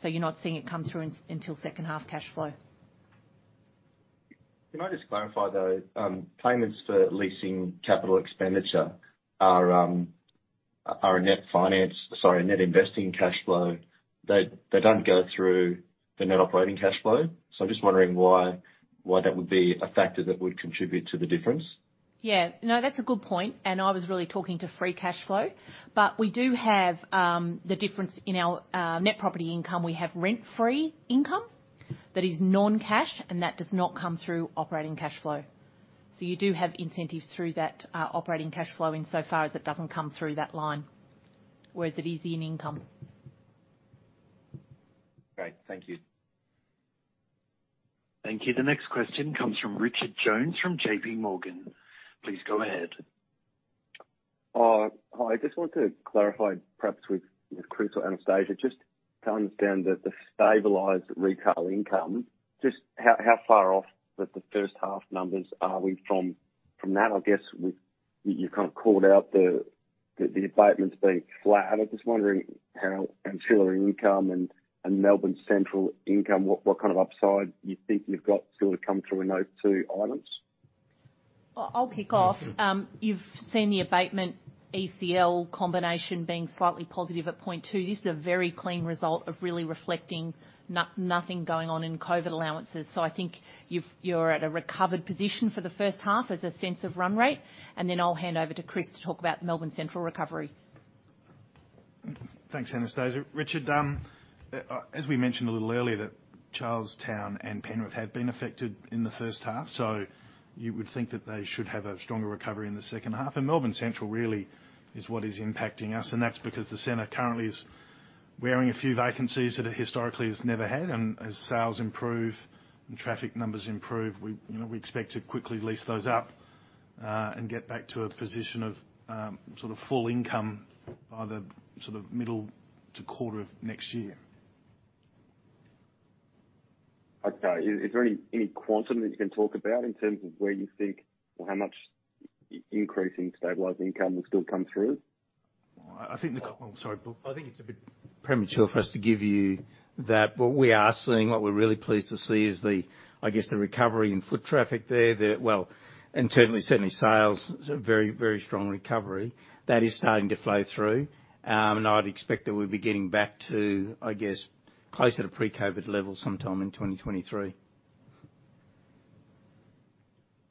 You're not seeing it come through in until second half cash flow. Can I just clarify, though, payments for leasing capital expenditure are a net investing cash flow. They don't go through the net operating cash flow. I'm just wondering why that would be a factor that would contribute to the difference. Yeah. No, that's a good point, and I was really talking to free cash flow. We do have the difference in our net property income. We have rent-free income that is non-cash, and that does not come through operating cash flow. You do have incentives through that operating cash flow insofar as it doesn't come through that line, whereas it is in income. Great. Thank you. Thank you. The next question comes from Richard Jones from JPMorgan. Please go ahead. Hi. I just want to clarify perhaps with Chris or Anastasia, just to understand the stabilized retail income, just how far off the first half numbers are we from that? I guess you kind of called out the abatements being flat. I'm just wondering how ancillary income and Melbourne Central income, what kind of upside you think you've got still to come through in those two items. I'll kick off. You've seen the abatement ECL combination being slightly positive at 0.2. This is a very clean result of really reflecting nothing going on in COVID allowances. I think you're at a recovered position for the first half as a sense of run rate, and then I'll hand over to Chris to talk about Melbourne Central recovery. Thanks, Anastasia. Richard, as we mentioned a little earlier, that Charlestown and Penrith have been affected in the first half. You would think that they should have a stronger recovery in the second half. Melbourne Central really is what is impacting us, and that's because the center currently is wearing a few vacancies that it historically has never had. As sales improve and traffic numbers improve, we expect to quickly lease those up and get back to a position of sort of full income by the sort of middle to quarter of next year. Okay. Is there any quantum that you can talk about in terms of where you think or how much increase in stabilized income will still come through? Sorry, Paul. I think it's a bit premature for us to give you that. What we are seeing, what we're really pleased to see is the, I guess, the recovery in foot traffic there, well, and certainly sales. It's a very, very strong recovery that is starting to flow through. And I'd expect that we'll be getting back to, I guess, closer to pre-COVID levels sometime in 2023.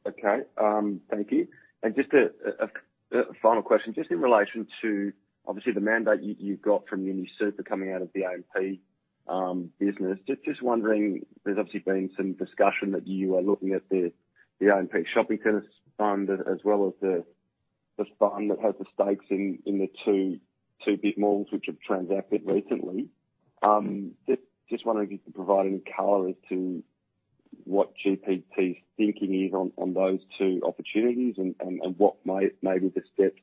Okay. Thank you. Just a final question. Just in relation to obviously the mandate you got from UniSuper coming out of the AMP business. Just wondering, there's obviously been some discussion that you are looking at the AMP Shopping Centers fund as well as this fund that has the stakes in the two big malls which have transacted recently. Just wondering if you could provide any color as to what GPT's thinking is on those two opportunities and what may be the steps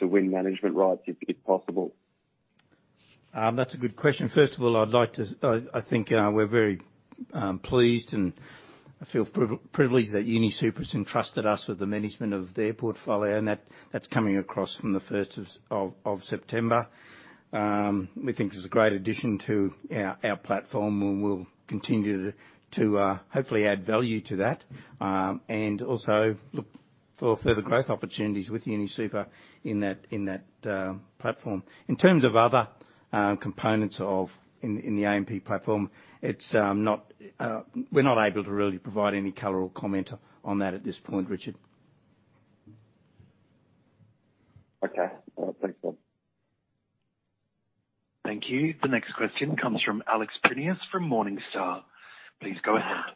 to win management rights if possible. That's a good question. First of all, I think we're very pleased, and I feel privileged that UniSuper's entrusted us with the management of their portfolio, and that's coming across from the 1st of September. We think it's a great addition to our platform, and we'll continue to hopefully add value to that. Also look for further growth opportunities with UniSuper in that platform. In terms of other components of the AMP platform, it's not, we're not able to really provide any color or comment on that at this point, Richard. Okay. Thanks, Bob. Thank you. The next question comes from Alex Prineas from Morningstar. Please go ahead.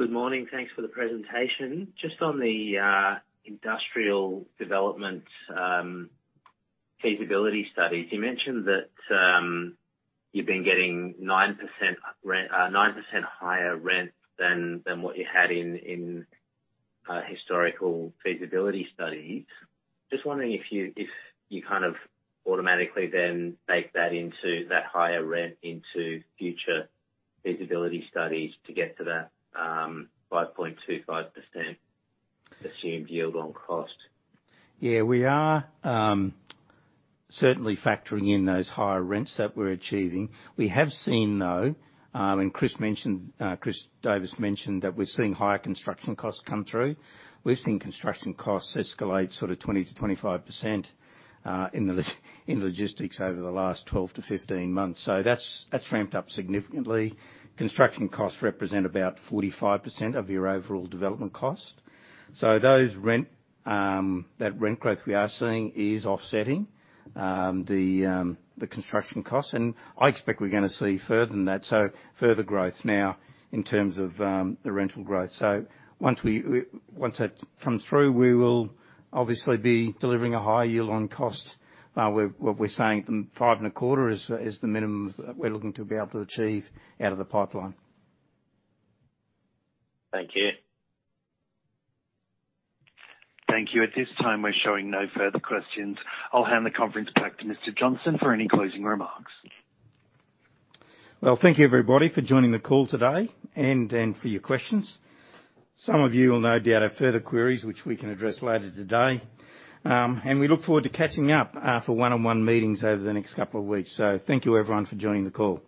Good morning. Thanks for the presentation. Just on the industrial development feasibility studies. You mentioned that you've been getting 9% higher rents than what you had in historical feasibility studies. Just wondering if you kind of automatically then bake that into that higher rent into future feasibility studies to get to that 5.25% assumed yield on cost. Yeah, we are certainly factoring in those higher rents that we're achieving. We have seen, though, Chris Davis mentioned that we're seeing higher construction costs come through. We've seen construction costs escalate sort of 20%-25% in logistics over the last 12-15 months. That's ramped up significantly. Construction costs represent about 45% of your overall development cost. That rent growth we are seeing is offsetting the construction costs. I expect we're gonna see further than that, further growth now in terms of the rental growth. Once that comes through, we will obviously be delivering a higher yield on costs. What we're saying, 5.25% is the minimum we're looking to be able to achieve out of the pipeline. Thank you. Thank you. At this time, we're showing no further questions. I'll hand the conference back to Mr. Johnston for any closing remarks. Well, thank you, everybody, for joining the call today and for your questions. Some of you will no doubt have further queries which we can address later today. We look forward to catching up for one-on-one meetings over the next couple of weeks. Thank you, everyone, for joining the call.